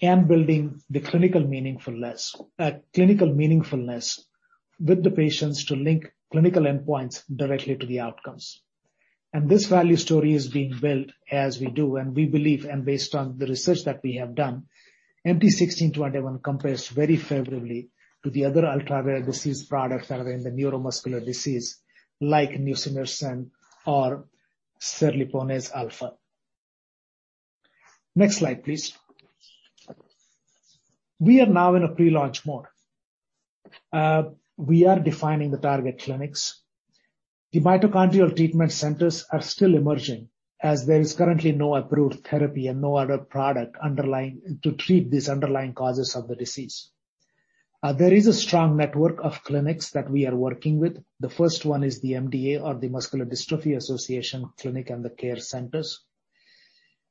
and building the clinical meaningfulness with the patients to link clinical endpoints directly to the outcomes. This value story is being built as we do, and we believe, and based on the research that we have done, MT1621 compares very favorably to the other ultra-rare disease products that are in the neuromuscular disease, like nusinersen or cerliponase alfa. Next slide, please. We are now in a pre-launch mode. We are defining the target clinics. The mitochondrial treatment centers are still emerging as there is currently no approved therapy and no other product underlying to treat these underlying causes of the disease. There is a strong network of clinics that we are working with. The first one is the MDA or the Muscular Dystrophy Association Clinic and the care centers.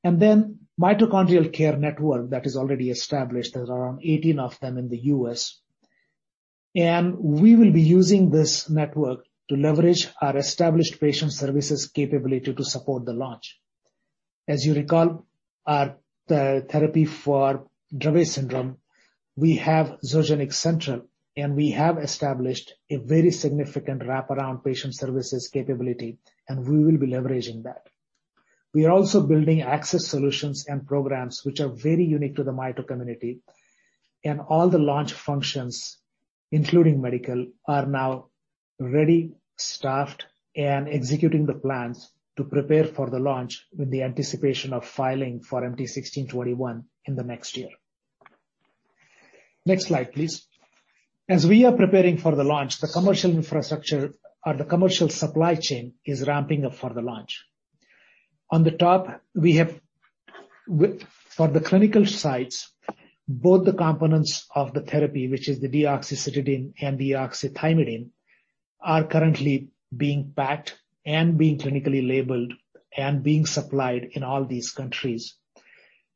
Mitochondrial Care Network that is already established. There's around 18 of them in the U.S. We will be using this network to leverage our established patient services capability to support the launch. As you recall, our therapy for Dravet syndrome, we have Zogenix Central, and we have established a very significant wraparound patient services capability, and we will be leveraging that. We are also building access solutions and programs which are very unique to the mito community. All the launch functions, including medical, are now ready, staffed, and executing the plans to prepare for the launch with the anticipation of filing for MT1621 in the next year. Next slide, please. As we are preparing for the launch, the commercial infrastructure or the commercial supply chain is ramping up for the launch. For the clinical sites, both the components of the therapy, which is the deoxycytidine and deoxythymidine, are currently being packed and being clinically labeled and being supplied in all these countries.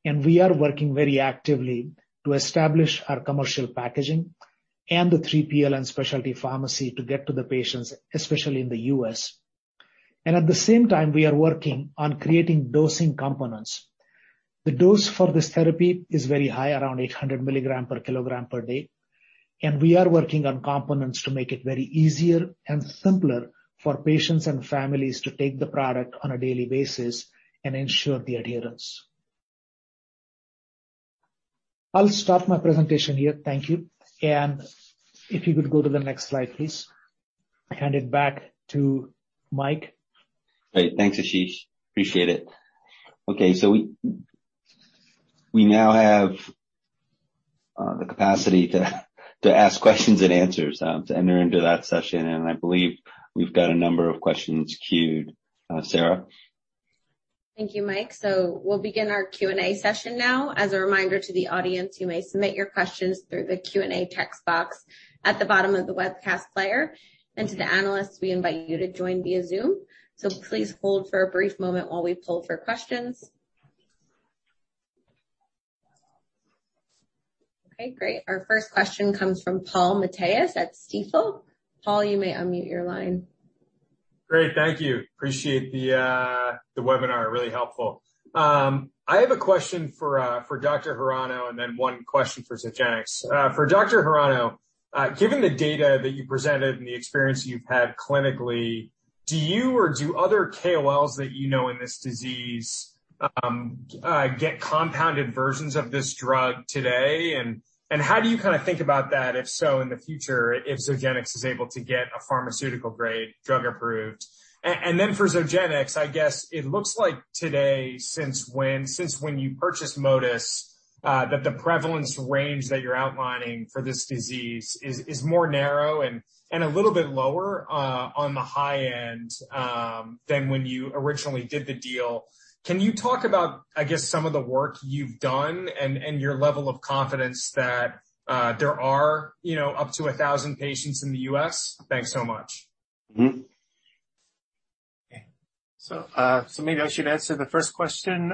We are working very actively to establish our commercial packaging and the 3PL specialty pharmacy to get to the patients, especially in the U.S. At the same time, we are working on creating dosing components. The dose for this therapy is very high, around 800 mg/kg/day. We are working on components to make it very easier and simpler for patients and families to take the product on a daily basis and ensure the adherence. I'll stop my presentation here. Thank you. If you could go to the next slide, please. I hand it back to Mike. Great. Thanks, Ashish. Appreciate it. Okay. We now have the capacity to ask Q&A to enter into that session. I believe we've got a number of questions queued. Sarah? Thank you, Mike. We'll begin our Q&A session now. As a reminder to the audience, you may submit your questions through the Q&A text box at the bottom of the webcast player. To the analysts, we invite you to join via Zoom. Please hold for a brief moment while we pull for questions. Okay, great. Our first question comes from Paul Matteis at Stifel. Paul, you may unmute your line. Great. Thank you. Appreciate the webinar. Really helpful. I have a question for for Dr. Hirano and then one question for Zogenix. For Dr. Hirano, given the data that you presented and the experience you've had clinically, do you or do other KOLs that you know in this disease, get compounded versions of this drug today? And how do you kinda think about that, if so, in the future if Zogenix is able to get a pharmaceutical-grade drug approved? And then for Zogenix, I guess it looks like today since when you purchased Modis, that the prevalence range that you're outlining for this disease is more narrow and a little bit lower, on the high end, than when you originally did the deal. Can you talk about, I guess, some of the work you've done and your level of confidence that there are, you know, up to 1,000 patients in the U.S.? Thanks so much. Mm-hmm. Maybe I should answer the first question.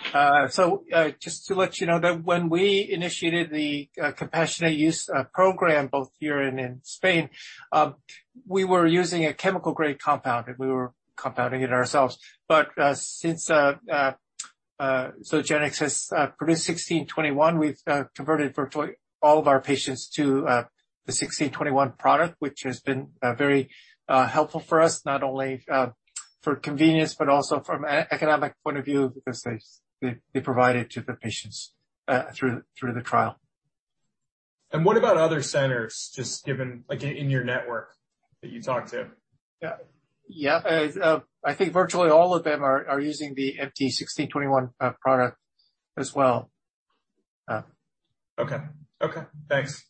Sure. Just to let you know that when we initiated the compassionate use program, both here and in Spain, we were using a chemical-grade compound, and we were compounding it ourselves. Since Zogenix has produced MT1621, we've converted virtually all of our patients to the MT1621 product, which has been very helpful for us, not only for convenience, but also from an economic point of view, because they provide it to the patients through the trial. What about other centers, just given, like in your network that you talk to? Yeah, I think virtually all of them are using the MT1621 product as well. Okay. Okay, thanks.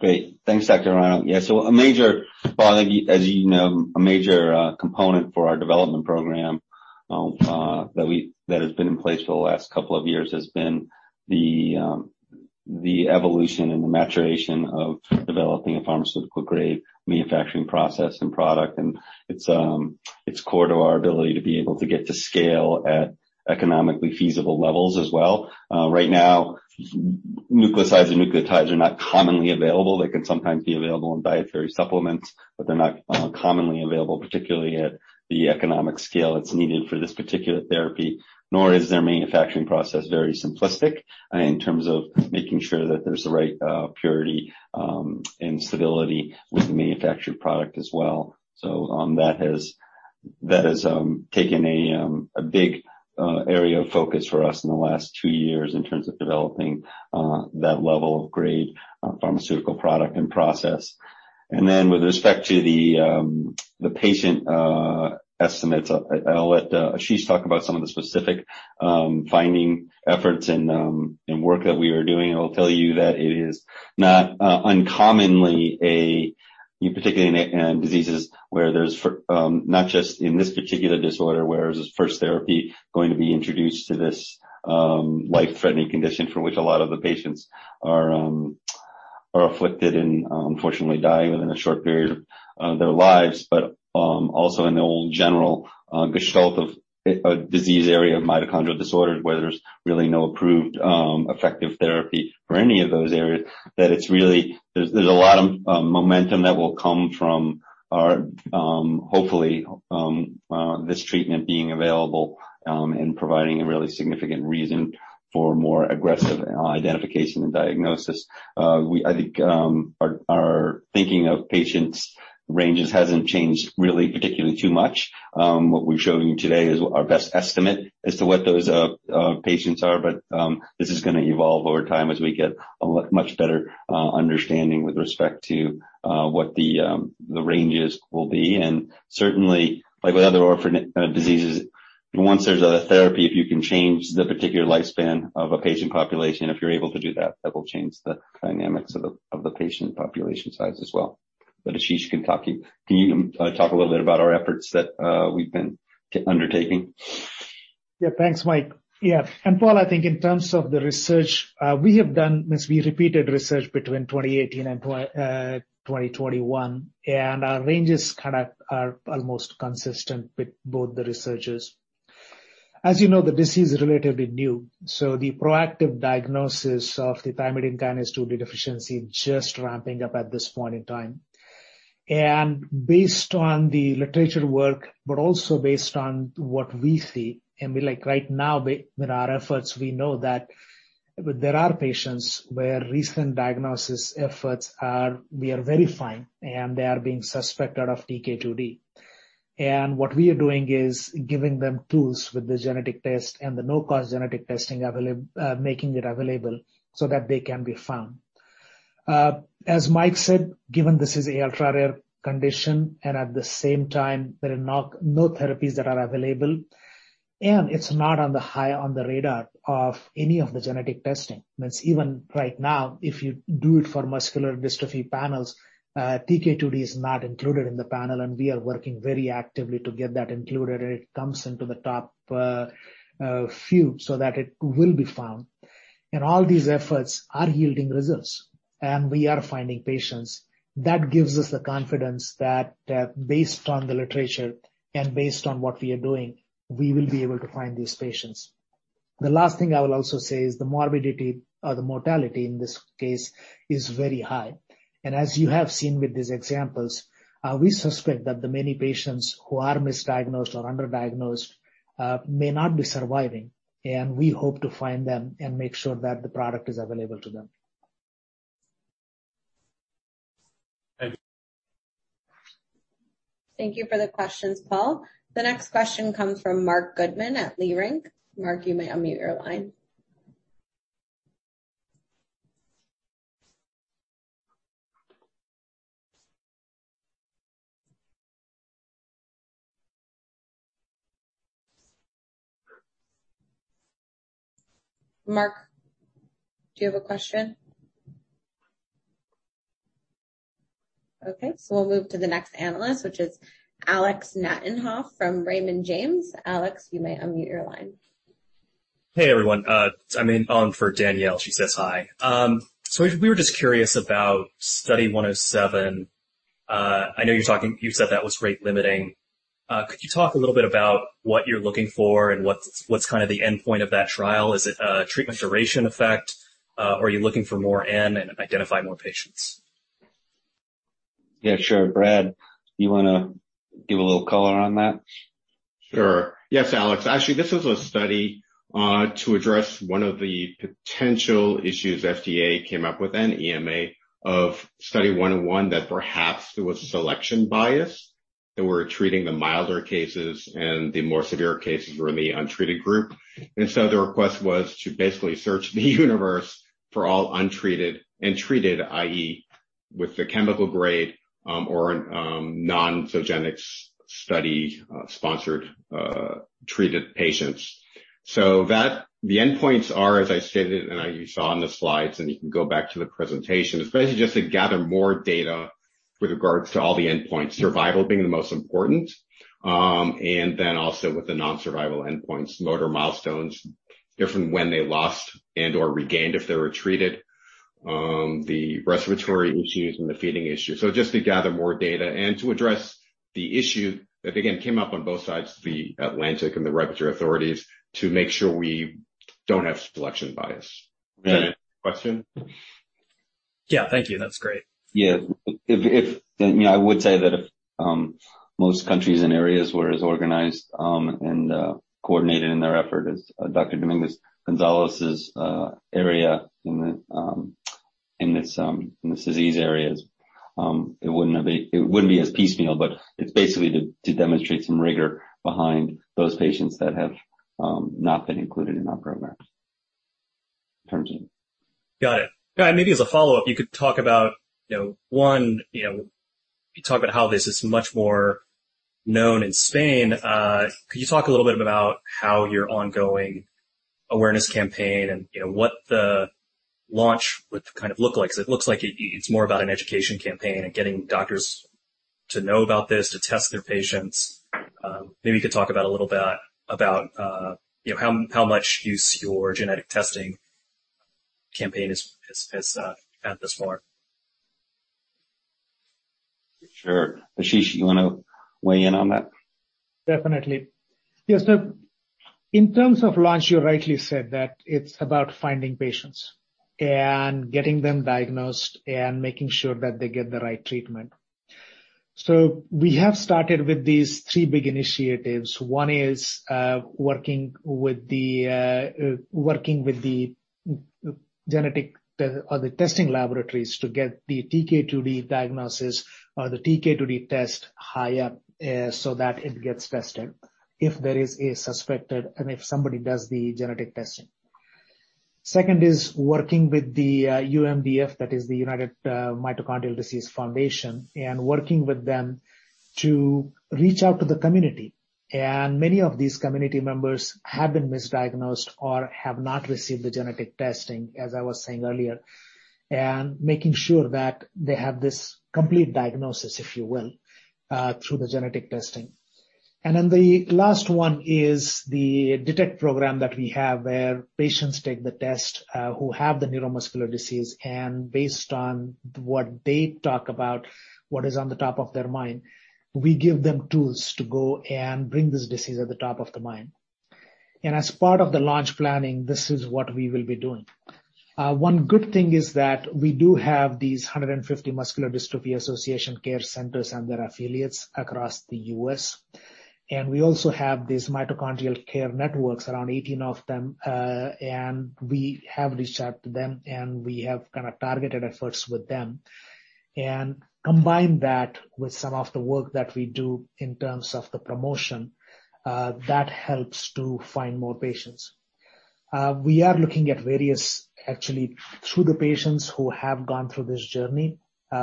Great. Thanks, Dr. Michio Hirano. Yeah. A major, Paul, I think as you know, a major component for our development program that has been in place for the last couple of years has been the evolution and the maturation of developing a pharmaceutical-grade manufacturing process and product. It's core to our ability to be able to get to scale at economically feasible levels as well. Right now, nucleosides and nucleotides are not commonly available. They can sometimes be available in dietary supplements, but they're not commonly available, particularly at the economic scale that's needed for this particular therapy, nor is their manufacturing process very simplistic in terms of making sure that there's the right purity and stability with the manufactured product as well. That has taken a big area of focus for us in the last two years in terms of developing that level of grade pharmaceutical product and process. With respect to the patient estimates, I'll let Ashish talk about some of the specific finding efforts and work that we are doing. I will tell you that it is not uncommonly a particularly in diseases where there's not just in this particular disorder where is this first therapy going to be introduced to this life-threatening condition for which a lot of the patients are afflicted and unfortunately dying within a short period of their lives, but also in the overall general gestalt of a disease area of mitochondrial disorders where there's really no approved effective therapy for any of those areas. That it's really. There's a lot of momentum that will come from our hopefully this treatment being available and providing a really significant reason for more aggressive identification and diagnosis. I think our thinking of patients' ranges hasn't changed really particularly too much. What we've shown you today is what our best estimate as to what those patients are. This is gonna evolve over time as we get a lot much better understanding with respect to what the ranges will be. Certainly, like with other orphan diseases, once there's a therapy, if you can change the particular lifespan of a patient population, if you're able to do that will change the dynamics of the patient population size as well. Ashish can talk to you. Can you talk a little bit about our efforts that we've been undertaking? Thanks, Mike. Paul, I think in terms of the research we have done, we repeated research between 2018 and 2021, and our ranges kinda are almost consistent with both the researches. As you know, the disease is relatively new, so the proactive diagnosis of thymidine kinase 2 deficiency is just ramping up at this point in time. Based on the literature work, but also based on what we see, and we, like right now with our efforts, we know that there are patients we are verifying, and they are being suspected of TK2d. What we are doing is giving them tools with the genetic test and the no-cost genetic testing, making it available so that they can be found. As Mike said, given this is an ultra-rare condition, and at the same time there are no therapies that are available, and it's not high on the radar of any of the genetic testing. It means even right now, if you do it for muscular dystrophy panels, TK2d is not included in the panel, and we are working very actively to get that included, and it comes into the top few so that it will be found. All these efforts are yielding results, and we are finding patients. That gives us the confidence that, based on the literature and based on what we are doing, we will be able to find these patients. The last thing I will also say is the morbidity or the mortality in this case is very high. As you have seen with these examples, we suspect that the many patients who are misdiagnosed or underdiagnosed may not be surviving, and we hope to find them and make sure that the product is available to them. Thank you for the questions, Paul. The next question comes from Marc Goodman at Leerink Partners. Mark, you may unmute your line. Mark, do you have a question? Okay, so we'll move to the next analyst, which is Alex Nattenhof from Raymond James. Alex, you may unmute your line. Hey, everyone. I'm on for Danielle. She says hi. We were just curious about Study 107. I know you're talking. You've said that was rate-limiting. Could you talk a little bit about what you're looking for and what's kind of the endpoint of that trial? Is it a treatment duration effect? Or are you looking for more n and identify more patients? Yeah, sure. Brad, you wanna give a little color on that? Sure. Yes, Alex. Actually, this is a study to address one of the potential issues FDA came up with, and EMA, of Study 101 that perhaps there was a selection bias. They were treating the milder cases, and the more severe cases were in the untreated group. The request was to basically search the universe for all untreated and treated, i.e., with the chemical grade or non-Zogenix study sponsored treated patients. The endpoints are, as I stated, and as you saw in the slides, and you can go back to the presentation. It's basically just to gather more data with regards to all the endpoints, survival being the most important. Then also with the non-survival endpoints, motor milestones, details when they lost and/or regained if they were treated, the respiratory issues and the feeding issues. Just to gather more data and to address the issue that again came up on both sides of the Atlantic and the regulatory authorities to make sure we don't have selection bias. Was that your question? Yeah. Thank you. That's great. Yeah. You know, I would say that if most countries and areas were as organized and coordinated in their effort as Dr. Domínguez-González's area in this disease area is, it wouldn't be as piecemeal, but it's basically to demonstrate some rigor behind those patients that have not been included in our program in terms of. Got it. All right, maybe as a follow-up, you could talk about, you know, one, you know, you talk about how this is much more known in Spain. Could you talk a little bit about how your ongoing awareness campaign and, you know, what the launch would kind of look like? 'Cause it looks like it's more about an education campaign and getting doctors to know about this, to test their patients. Maybe you could talk about a little bit about, you know, how much use your genetic testing campaign is had thus far. Sure. Ashish, you wanna weigh in on that? Definitely. Yes, in terms of launch, you rightly said that it's about finding patients and getting them diagnosed and making sure that they get the right treatment. We have started with these three big initiatives. One is working with the genetic or the testing laboratories to get the TK2d diagnosis or the TK2d test higher, so that it gets tested if there is a suspected and if somebody does the genetic testing. Second is working with the UMDF, that is the United Mitochondrial Disease Foundation, and working with them to reach out to the community. Many of these community members have been misdiagnosed or have not received the genetic testing, as I was saying earlier, and making sure that they have this complete diagnosis, if you will, through the genetic testing. Then the last one is the DETECT program that we have, where patients take the test, who have the neuromuscular disease, and based on what they talk about, what is on the top of their mind, we give them tools to go and bring this disease at the top of the mind. As part of the launch planning, this is what we will be doing. One good thing is that we do have these 150 Muscular Dystrophy Association care centers and their affiliates across the U.S. We also have these Mitochondrial Care Network, around 18 of them, and we have reached out to them, and we have kind of targeted efforts with them. Combine that with some of the work that we do in terms of the promotion, that helps to find more patients. We are looking at various... Actually, through the patients who have gone through this journey,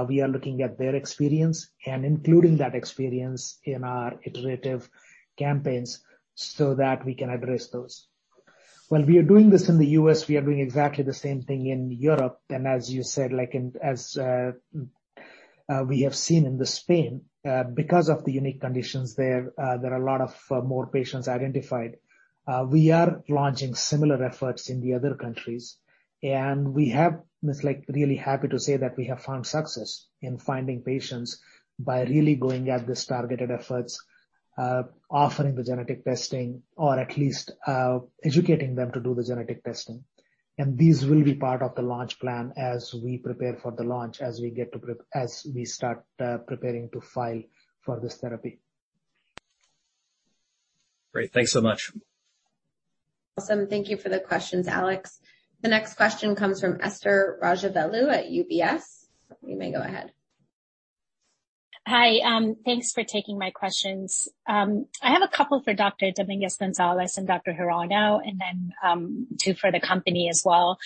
we are looking at their experience and including that experience in our iterative campaigns so that we can address those. While we are doing this in the U.S., we are doing exactly the same thing in Europe. As you said, we have seen in Spain because of the unique conditions there are a lot more patients identified. We are launching similar efforts in the other countries, and we're really happy to say that we have found success in finding patients by really going at this targeted efforts, offering the genetic testing or at least educating them to do the genetic testing. These will be part of the launch plan as we prepare for the launch, as we start preparing to file for this therapy. Great. Thanks so much. Awesome. Thank you for the questions, Alex. The next question comes from Esther Rajavelu at UBS. You may go ahead. Hi. Thanks for taking my questions. I have a couple for Dr. Domínguez-González and Dr. Hirano, and then two for the company as well.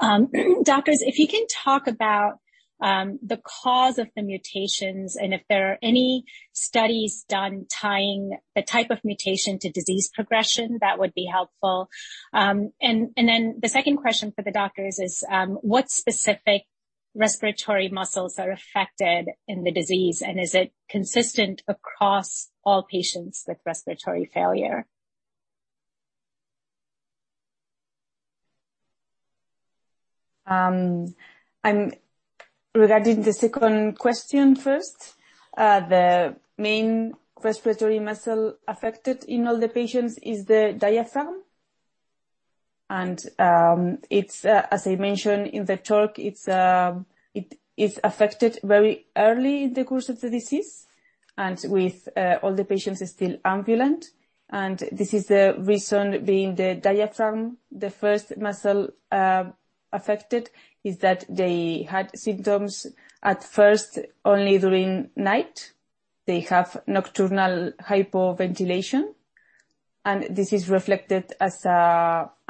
Doctors, if you can talk about the cause of the mutations and if there are any studies done tying the type of mutation to disease progression, that would be helpful. The second question for the doctors is what specific respiratory muscles are affected in the disease, and is it consistent across all patients with respiratory failure? Regarding the second question first, the main respiratory muscle affected in all the patients is the diaphragm. It's as I mentioned in the talk, it is affected very early in the course of the disease and with all the patients still ambulant. This is the reason being the diaphragm, the first muscle affected, is that they had symptoms at first only during night. They have nocturnal hypoventilation, and this is reflected as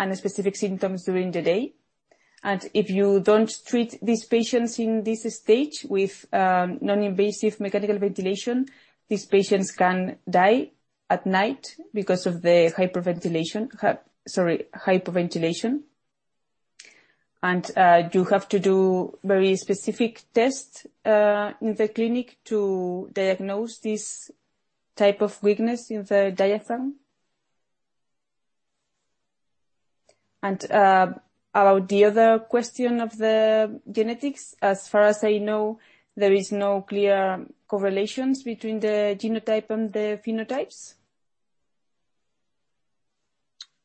unspecific symptoms during the day. If you don't treat these patients in this stage with non-invasive mechanical ventilation, these patients can die at night because of the hypoventilation. You have to do very specific tests in the clinic to diagnose this type of weakness in the diaphragm. about the other question of the genetics, as far as I know, there is no clear correlations between the genotype and the phenotypes.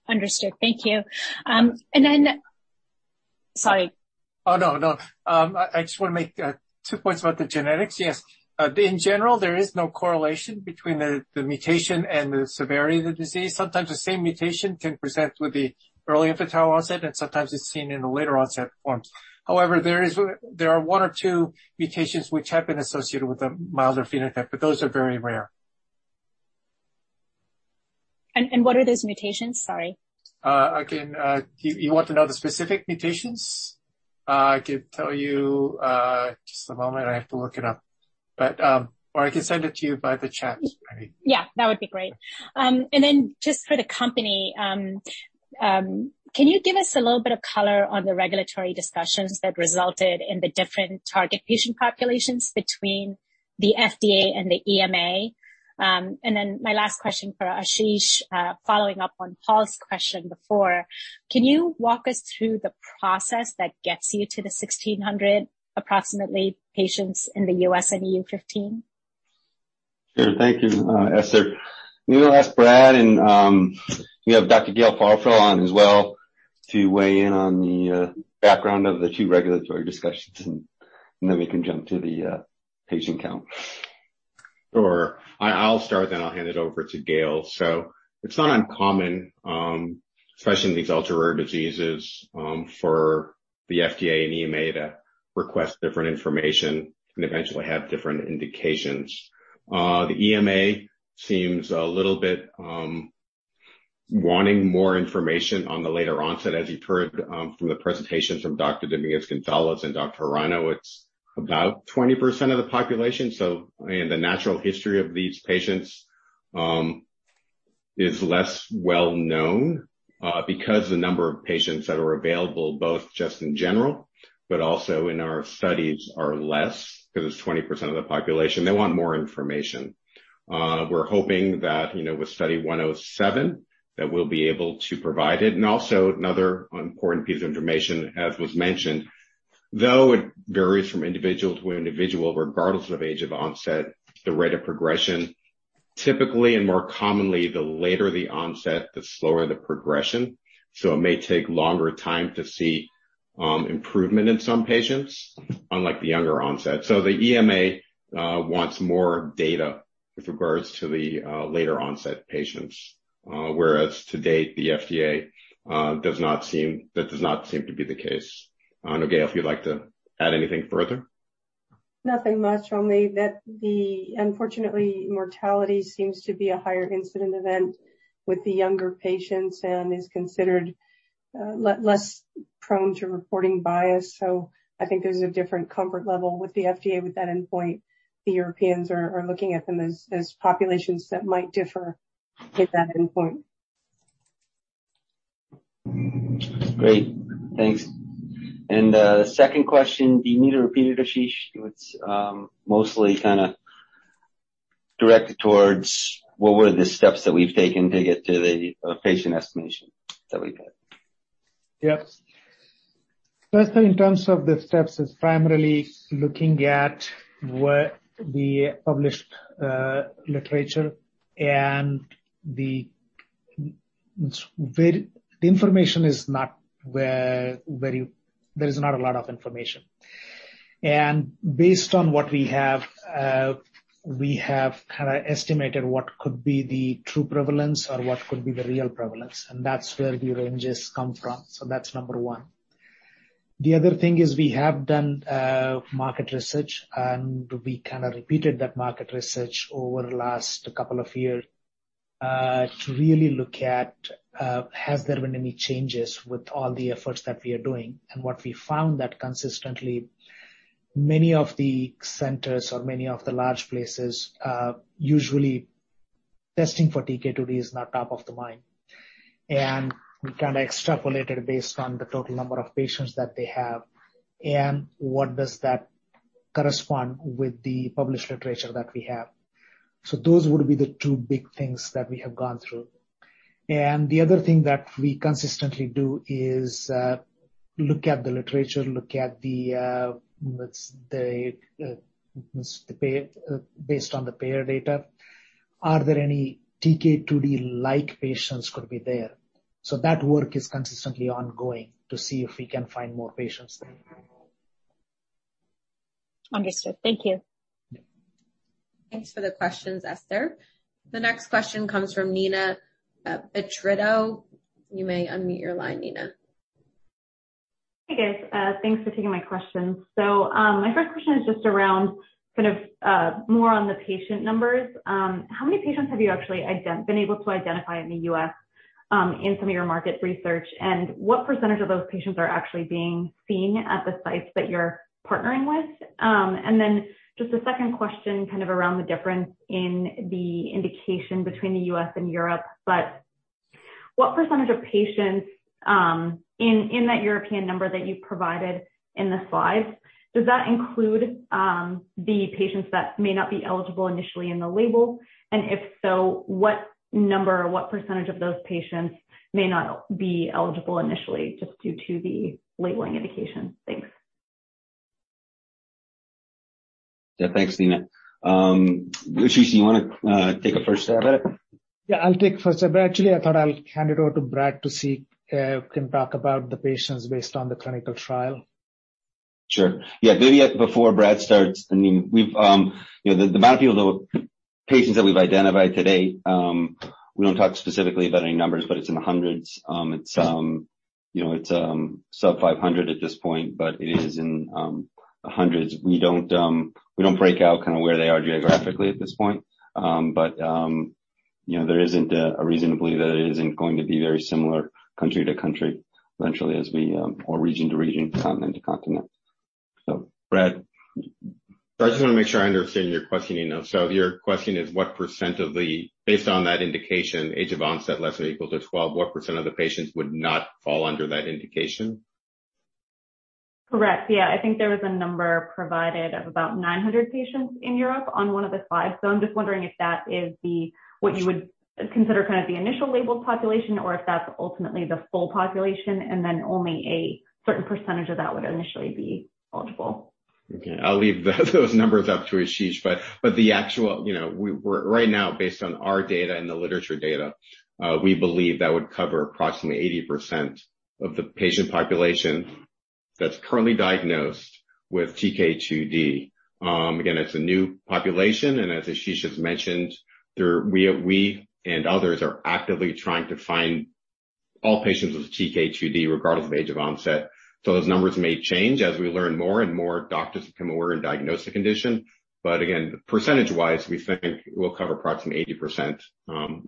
Understood. Thank you. Sorry. Oh, no. I just wanna make two points about the genetics. Yes, in general, there is no correlation between the mutation and the severity of the disease. Sometimes the same mutation can present with the early infantile onset, and sometimes it's seen in the later onset forms. However, there are one or two mutations which have been associated with a milder phenotype, but those are very rare. What are those mutations? Sorry. Again, you want to know the specific mutations? I could tell you, just a moment. I have to look it up. I can send it to you by the chat if you like. Yeah, that would be great. Just for the company, can you give us a little bit of color on the regulatory discussions that resulted in the different target patient populations between the FDA and the EMA? My last question for Ashish, following up on Paul's question before, can you walk us through the process that gets you to the approximately 1600 patients in the US and EU 15? Sure. Thank you, Esther. I'm gonna ask Brad, and we have Dr. Gail Farfel on as well to weigh in on the background of the two regulatory discussions, and then we can jump to the patient count. Sure. I'll start, then I'll hand it over to Gail. It's not uncommon, especially in these ultra-rare diseases, for the FDA and EMA to request different information and eventually have different indications. The EMA seems a little bit wanting more information on the later-onset. As you've heard, from the presentation from Dr. Domínguez-González and Dr. Hirano, it's about 20% of the population. The natural history of these patients is less well-known, because the number of patients that are available, both just in general but also in our studies, are less because it's 20% of the population. They want more information. We're hoping that, you know, with Study 107 that we'll be able to provide it. Also another important piece of information, as was mentioned, though it varies from individual to individual, regardless of age of onset, the rate of progression, typically and more commonly, the later the onset, the slower the progression. It may take longer time to see improvement in some patients, unlike the younger onset. The EMA wants more data with regards to the later-onset patients. Whereas to date, the FDA, that does not seem to be the case. Gail, if you'd like to add anything further. Nothing much. Only that unfortunately, mortality seems to be a higher incidence event with the younger patients and is considered less prone to reporting bias. I think there's a different comfort level with the FDA with that endpoint. The Europeans are looking at them as populations that might differ with that endpoint. Great. Thanks. The second question, do you need it repeated, Ashish? It's mostly kinda directed towards what were the steps that we've taken to get to the patient estimation that we've had? Yep. First, in terms of the steps, the information is not very. There is not a lot of information. Based on what we have, we have kind of estimated what could be the true prevalence or what could be the real prevalence, and that's where the ranges come from. That's number one. The other thing is we have done market research, and we kind of repeated that market research over the last couple of years to really look at has there been any changes with all the efforts that we are doing. What we found that consistently many of the centers or many of the large places usually testing for TK2d is not top of the mind. We kind of extrapolated based on the total number of patients that they have and what does that correspond with the published literature that we have. Those would be the two big things that we have gone through. The other thing that we consistently do is look at the literature, look at the payer data. Are there any TK2d-like patients could be there? That work is consistently ongoing to see if we can find more patients. Understood. Thank you. Yeah. Thanks for the questions, Esther. The next question comes from Nina Petrido. You may unmute your line, Nina. Hey, guys. Thanks for taking my question. My first question is just around sort of more on the patient numbers. How many patients have you actually been able to identify in the U.S., in some of your market research? And what percentage of those patients are actually being seen at the sites that you're partnering with? And then just a second question, kind of around the difference in the indication between the U.S. and Europe. What percentage of patients, in that European number that you provided in the slides, does that include the patients that may not be eligible initially in the label? And if so, what number or what percentage of those patients may not be eligible initially just due to the labeling indication? Thanks. Yeah. Thanks, Nina. Ashish, do you wanna take a first stab at it? Yeah, I'll take first stab. Actually, I thought I'll hand it over to Brad to see can talk about the patients based on the clinical trial. Sure. Yeah. Maybe before Brad starts, I mean, we've, you know, the amount of people, the patients that we've identified today, we don't talk specifically about any numbers, but it's in the hundreds. It's, you know, it's sub 500 at this point, but it is in the hundreds. We don't break out kinda where they are geographically at this point. You know, there isn't a reason to believe that it isn't going to be very similar country to country eventually as we, or region to region, continent to continent. Brad. I just wanna make sure I understand your question, Nina. Your question is, based on that indication, age of onset less than or equal to 12, what percentage of the patients would not fall under that indication? Correct. Yeah. I think there was a number provided of about 900 patients in Europe on one of the slides. I'm just wondering if that is the, what you would consider kind of the initial labeled population or if that's ultimately the full population, and then only a certain percentage of that would initially be eligible? Okay. I'll leave those numbers up to Ashish. The actual, you know, we're right now based on our data and the literature data, we believe that would cover approximately 80% of the patient population that's currently diagnosed with TK2d. Again, it's a new population, and as Ashish has mentioned, we and others are actively trying to find all patients with TK2d, regardless of age of onset. Those numbers may change as we learn more and more doctors become aware and diagnose the condition. Again, percentage-wise, we think we'll cover approximately 80%.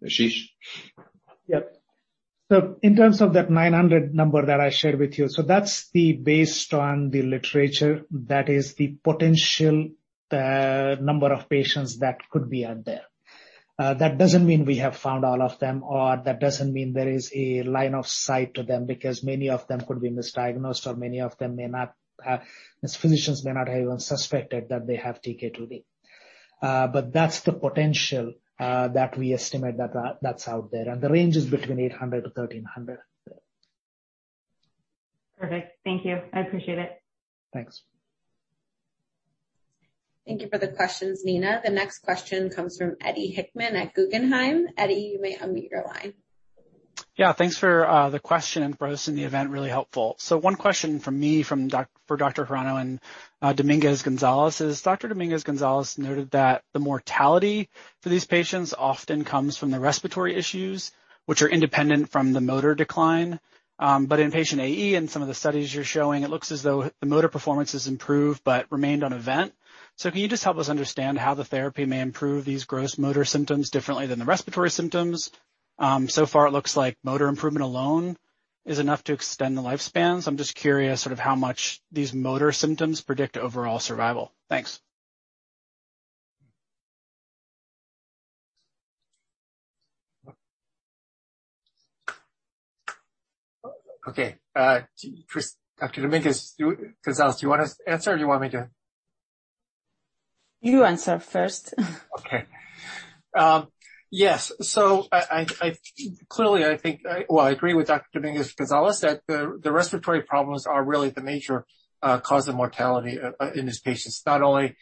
Ashish. In terms of that 900 number that I shared with you, that's based on the literature, that is the potential number of patients that could be out there. That doesn't mean we have found all of them, or that doesn't mean there is a line of sight to them because many of them could be misdiagnosed or these physicians may not have even suspected that they have TK2d. But that's the potential that we estimate that's out there. The range is between 800-1,300. Perfect. Thank you. I appreciate it. Thanks. Thank you for the questions, Nina. The next question comes from Eddie Hickman at Guggenheim. Eddie, you may unmute your line. Yeah, thanks for the question and for hosting the event. Really helpful. One question from me for Dr. Michio Hirano and Dr. Domínguez-González is, Dr. Domínguez-González noted that the mortality for these patients often comes from the respiratory issues, which are independent from the motor decline. In patient AE, in some of the studies you're showing, it looks as though the motor performance has improved but remained on a vent. Can you just help us understand how the therapy may improve these gross motor symptoms differently than the respiratory symptoms? So far it looks like motor improvement alone is enough to extend the lifespan. I'm just curious sort of how much these motor symptoms predict overall survival. Thanks. Okay. Dr. Domínguez-González, do you wanna answer or you want me to? You answer first. Okay. Yes. I clearly think—well, I agree with Dr. Domínguez-González that the respiratory problems are really the major cause of mortality in these patients. Not only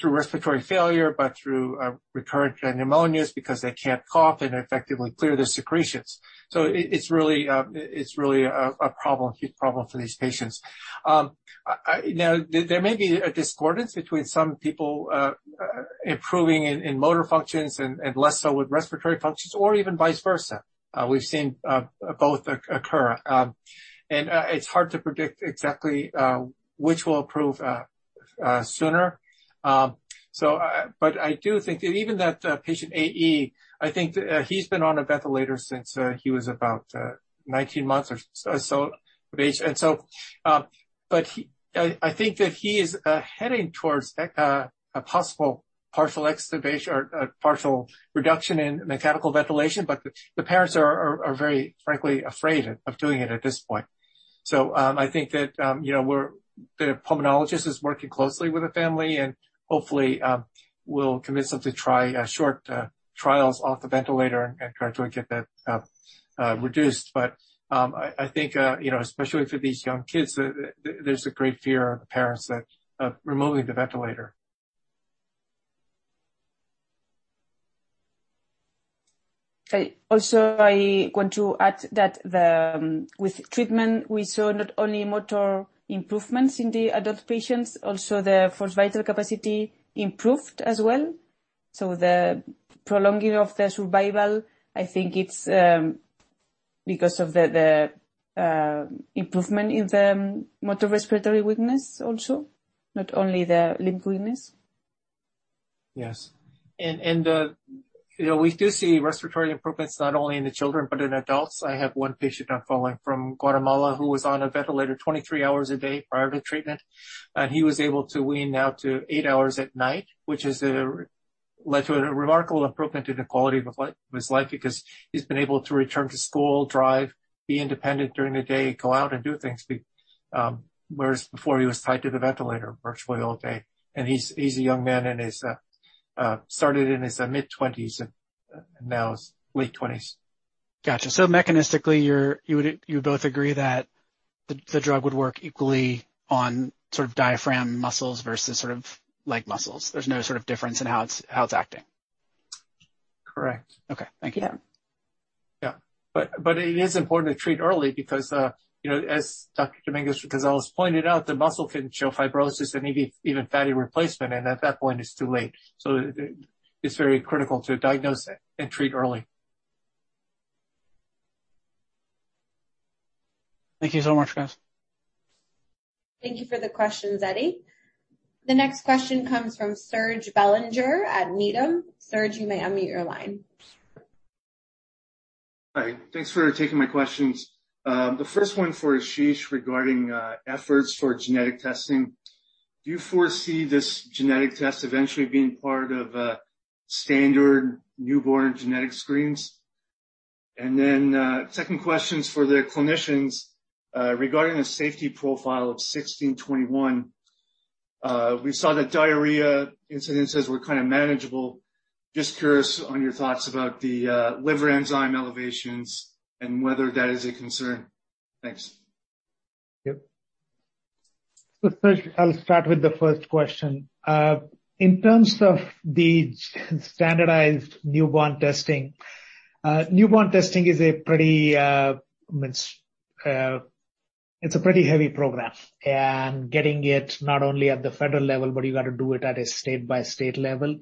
through respiratory failure, but through recurrent pneumonias because they can't cough and effectively clear their secretions. It's really a huge problem for these patients. Now, there may be a discordance between some people improving in motor functions and less so with respiratory functions or even vice versa. We've seen both occur. It's hard to predict exactly which will improve sooner. I do think that even that patient AE, I think, he's been on a ventilator since he was about 19 months or so of age. He is heading towards a possible partial extubation or a partial reduction in mechanical ventilation, but the parents are very frankly afraid of doing it at this point. I think that you know, the pulmonologist is working closely with the family, and hopefully, we'll convince them to try short trials off the ventilator and gradually get that reduced. I think especially for these young kids, there's a great fear of parents that removing the ventilator. I also want to add that with treatment, we saw not only motor improvements in the adult patients, also their forced vital capacity improved as well. The prolonging of their survival, I think it's because of the improvement in the motor respiratory weakness also, not only the limb weakness. Yes. You know, we do see respiratory improvements not only in the children but in adults. I have one patient I'm following from Guatemala who was on a ventilator 23 hours a day prior to treatment, and he was able to wean now to 8 hours at night, which led to a remarkable improvement in the quality of his life because he's been able to return to school, drive, be independent during the day, go out and do things, whereas before he was tied to the ventilator virtually all day. He's a young man who started in his mid-20s and now his late 20s. Gotcha. Mechanistically, you both agree that the drug would work equally on sort of diaphragm muscles versus sort of leg muscles. There's no sort of difference in how it's acting. Correct. Okay. Thank you. Yeah. It is important to treat early because, you know, as Dr. Domínguez-González pointed out, the muscle can show fibrosis and maybe even fatty replacement, and at that point, it's too late. It's very critical to diagnose it and treat early. Thank you so much, guys. Thank you for the questions, Eddie. The next question comes from Serge Belanger at Needham. Serge, you may unmute your line. Hi. Thanks for taking my questions. The first one for Ashish regarding efforts for genetic testing. Do you foresee this genetic test eventually being part of standard newborn genetic screens? Second question's for the clinicians regarding the safety profile of MT1621. We saw the diarrhea incidences were kinda manageable. Just curious on your thoughts about the liver enzyme elevations and whether that is a concern. Thanks. Yep. Serge, I'll start with the first question. In terms of the standardized newborn testing, newborn testing is a pretty heavy program, and getting it not only at the federal level, but you got to do it at a state-by-state level.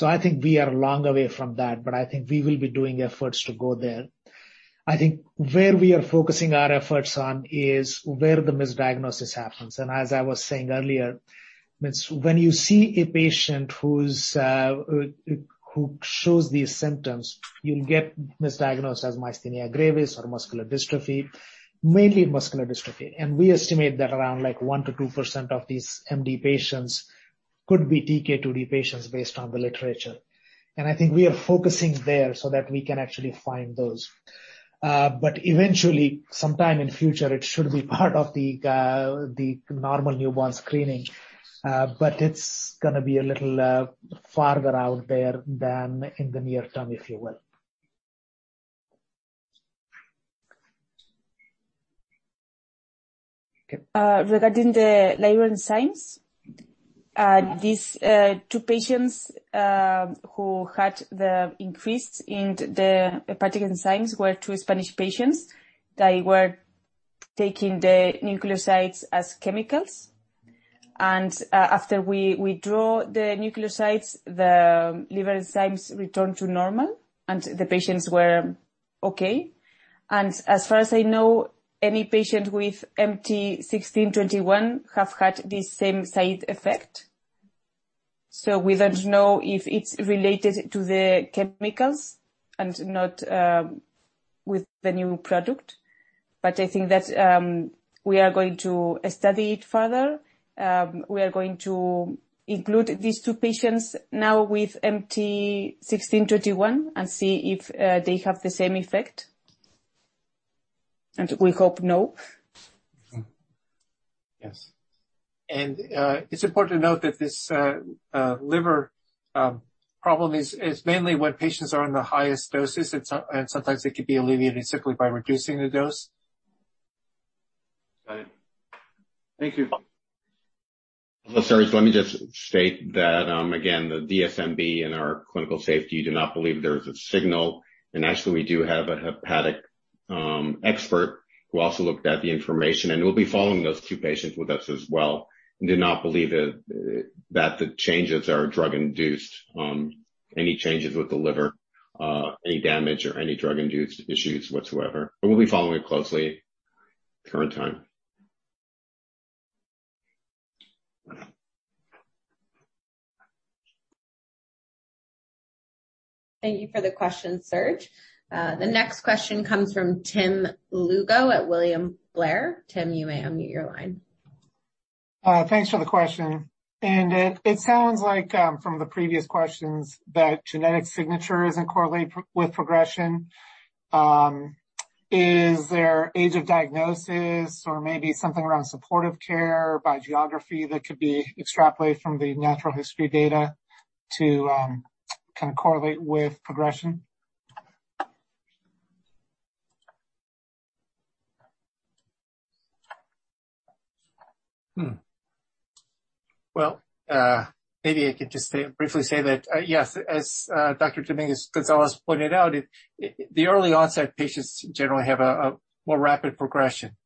I think we are a long way from that, but I think we will be doing efforts to go there. I think where we are focusing our efforts on is where the misdiagnosis happens. As I was saying earlier, it's when you see a patient who shows these symptoms, you'll get misdiagnosed as myasthenia gravis or muscular dystrophy, mainly muscular dystrophy. We estimate that around, like, 1%-2% of these MD patients could be TK2d patients based on the literature. I think we are focusing there so that we can actually find those. Eventually, sometime in future, it should be part of the normal newborn screening. It's gonna be a little farther out there than in the near term, if you will. Okay. Regarding the liver enzymes, these two patients who had the increase in the particular enzymes were two Spanish patients. They were taking the nucleosides as chemicals. After we withdrew the nucleosides, the liver enzymes return to normal, and the patients were okay. As far as I know, any patient with MT1621 have had this same side effect. We don't know if it's related to the chemicals and not with the new product. I think that we are going to study it further. We are going to include these two patients now with MT1621 and see if they have the same effect. We hope no. Yes. It's important to note that this liver problem is mainly when patients are on the highest doses, and sometimes it could be alleviated simply by reducing the dose. Got it. Thank you. Sorry. Let me just state that, again, the DSMB and our clinical safety do not believe there's a signal. Actually, we do have a hepatic expert who also looked at the information, and we'll be following those two patients with us as well, and do not believe that the changes are drug-induced, any changes with the liver, any damage or any drug-induced issues whatsoever. We'll be following it closely at the current time. Thank you for the question, Serge. The next question comes from Tim Lugo at William Blair. Tim, you may unmute your line. Thanks for the question. It sounds like from the previous questions that genetic signature isn't correlated with progression. Is there age of diagnosis or maybe something around supportive care by geography that could be extrapolated from the natural history data to kinda correlate with progression? Well, maybe I could just say briefly that yes, as Dr. Domínguez-González pointed out, the early onset patients generally have a more rapid progression.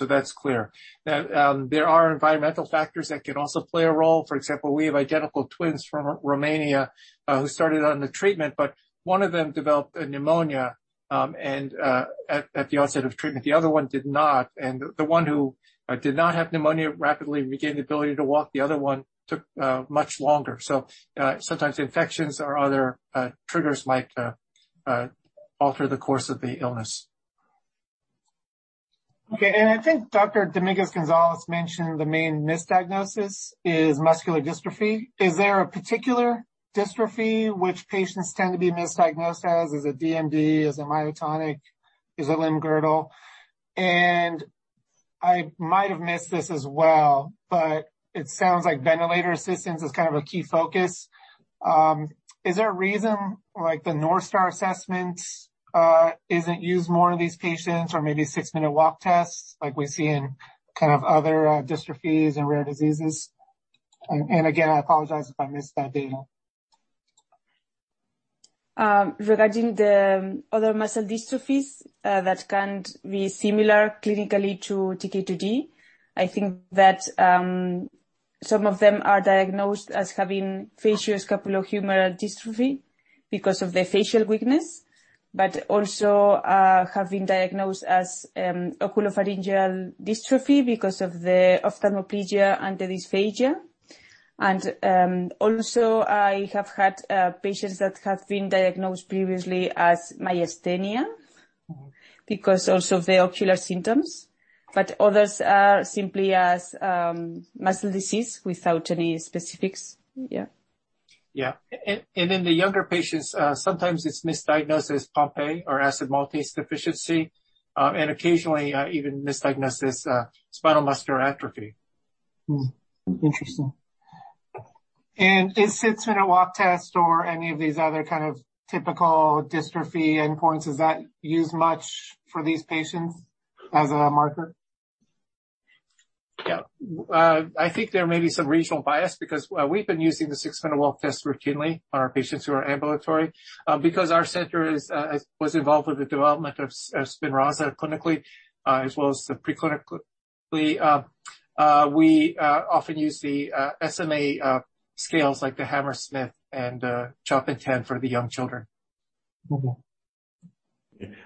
That's clear. Now, there are environmental factors that could also play a role. For example, we have identical twins from Romania who started on the treatment, but one of them developed pneumonia at the onset of treatment. The other one did not. The one who did not have pneumonia rapidly regained the ability to walk. The other one took much longer. Sometimes infections or other triggers might alter the course of the illness. Okay. I think Dr. Domínguez-González mentioned the main misdiagnosis is muscular dystrophy. Is there a particular dystrophy which patients tend to be misdiagnosed as? Is it DMD? Is it myotonic? Is it limb-girdle? I might have missed this as well, but it sounds like ventilator assistance is kind of a key focus. Is there a reason, like the North Star assessment, isn't used more in these patients or maybe six-minute walk tests like we see in kind of other, dystrophies and rare diseases? Again, I apologize if I missed that data. Regarding the other muscle dystrophies that can be similar clinically to TK2d, I think that some of them are diagnosed as having facioscapulohumeral dystrophy because of the facial weakness, but also diagnosed as oculopharyngeal dystrophy because of the ophthalmoplegia and dysphagia. Also I have had patients that have been diagnosed previously as myasthenia because of the ocular symptoms. Others are simply as muscle disease without any specifics. In the younger patients, sometimes it's misdiagnosed as Pompe or acid maltase deficiency, and occasionally even misdiagnosed as spinal muscular atrophy. Interesting. Is six-minute walk test or any of these other kind of typical dystrophy endpoints, is that used much for these patients as a marker? Yeah. I think there may be some regional bias because we've been using the six-minute walk test routinely on our patients who are ambulatory. Because our center was involved with the development of SPINRAZA clinically, as well as the preclinically, we often use the SMA scales like the Hammersmith and CHOP INTEND for the young children. Mm-hmm.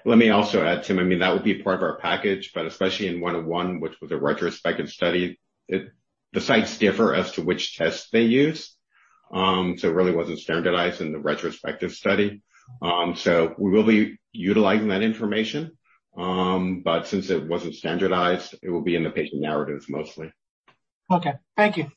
Let me also add, Tim, I mean, that would be part of our package, but especially in 101, which was a retrospective study, it, the sites differ as to which test they use. It really wasn't standardized in the retrospective study. We will be utilizing that information. Since it wasn't standardized, it will be in the patient narratives mostly. Okay. Thank you.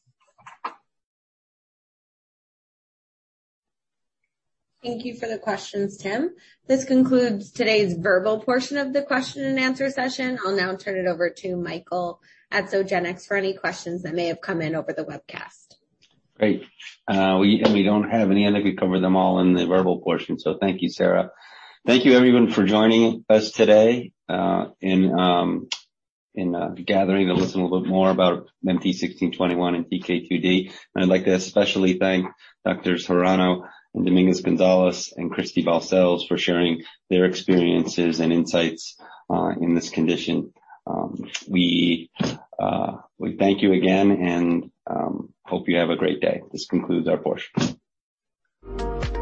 Thank you for the questions, Tim. This concludes today's verbal portion of the Q&A session. I'll now turn it over to Michael at Zogenix for any questions that may have come in over the webcast. Great. We don't have any. I think we covered them all in the verbal portion, so thank you, Sarah. Thank you, everyone, for joining us today, in gathering to listen a little bit more about MT1621 and TK2d. I'd like to especially thank Doctors Hirano and Domínguez-González and Cristy Balcells for sharing their experiences and insights in this condition. We thank you again and hope you have a great day. This concludes our portion.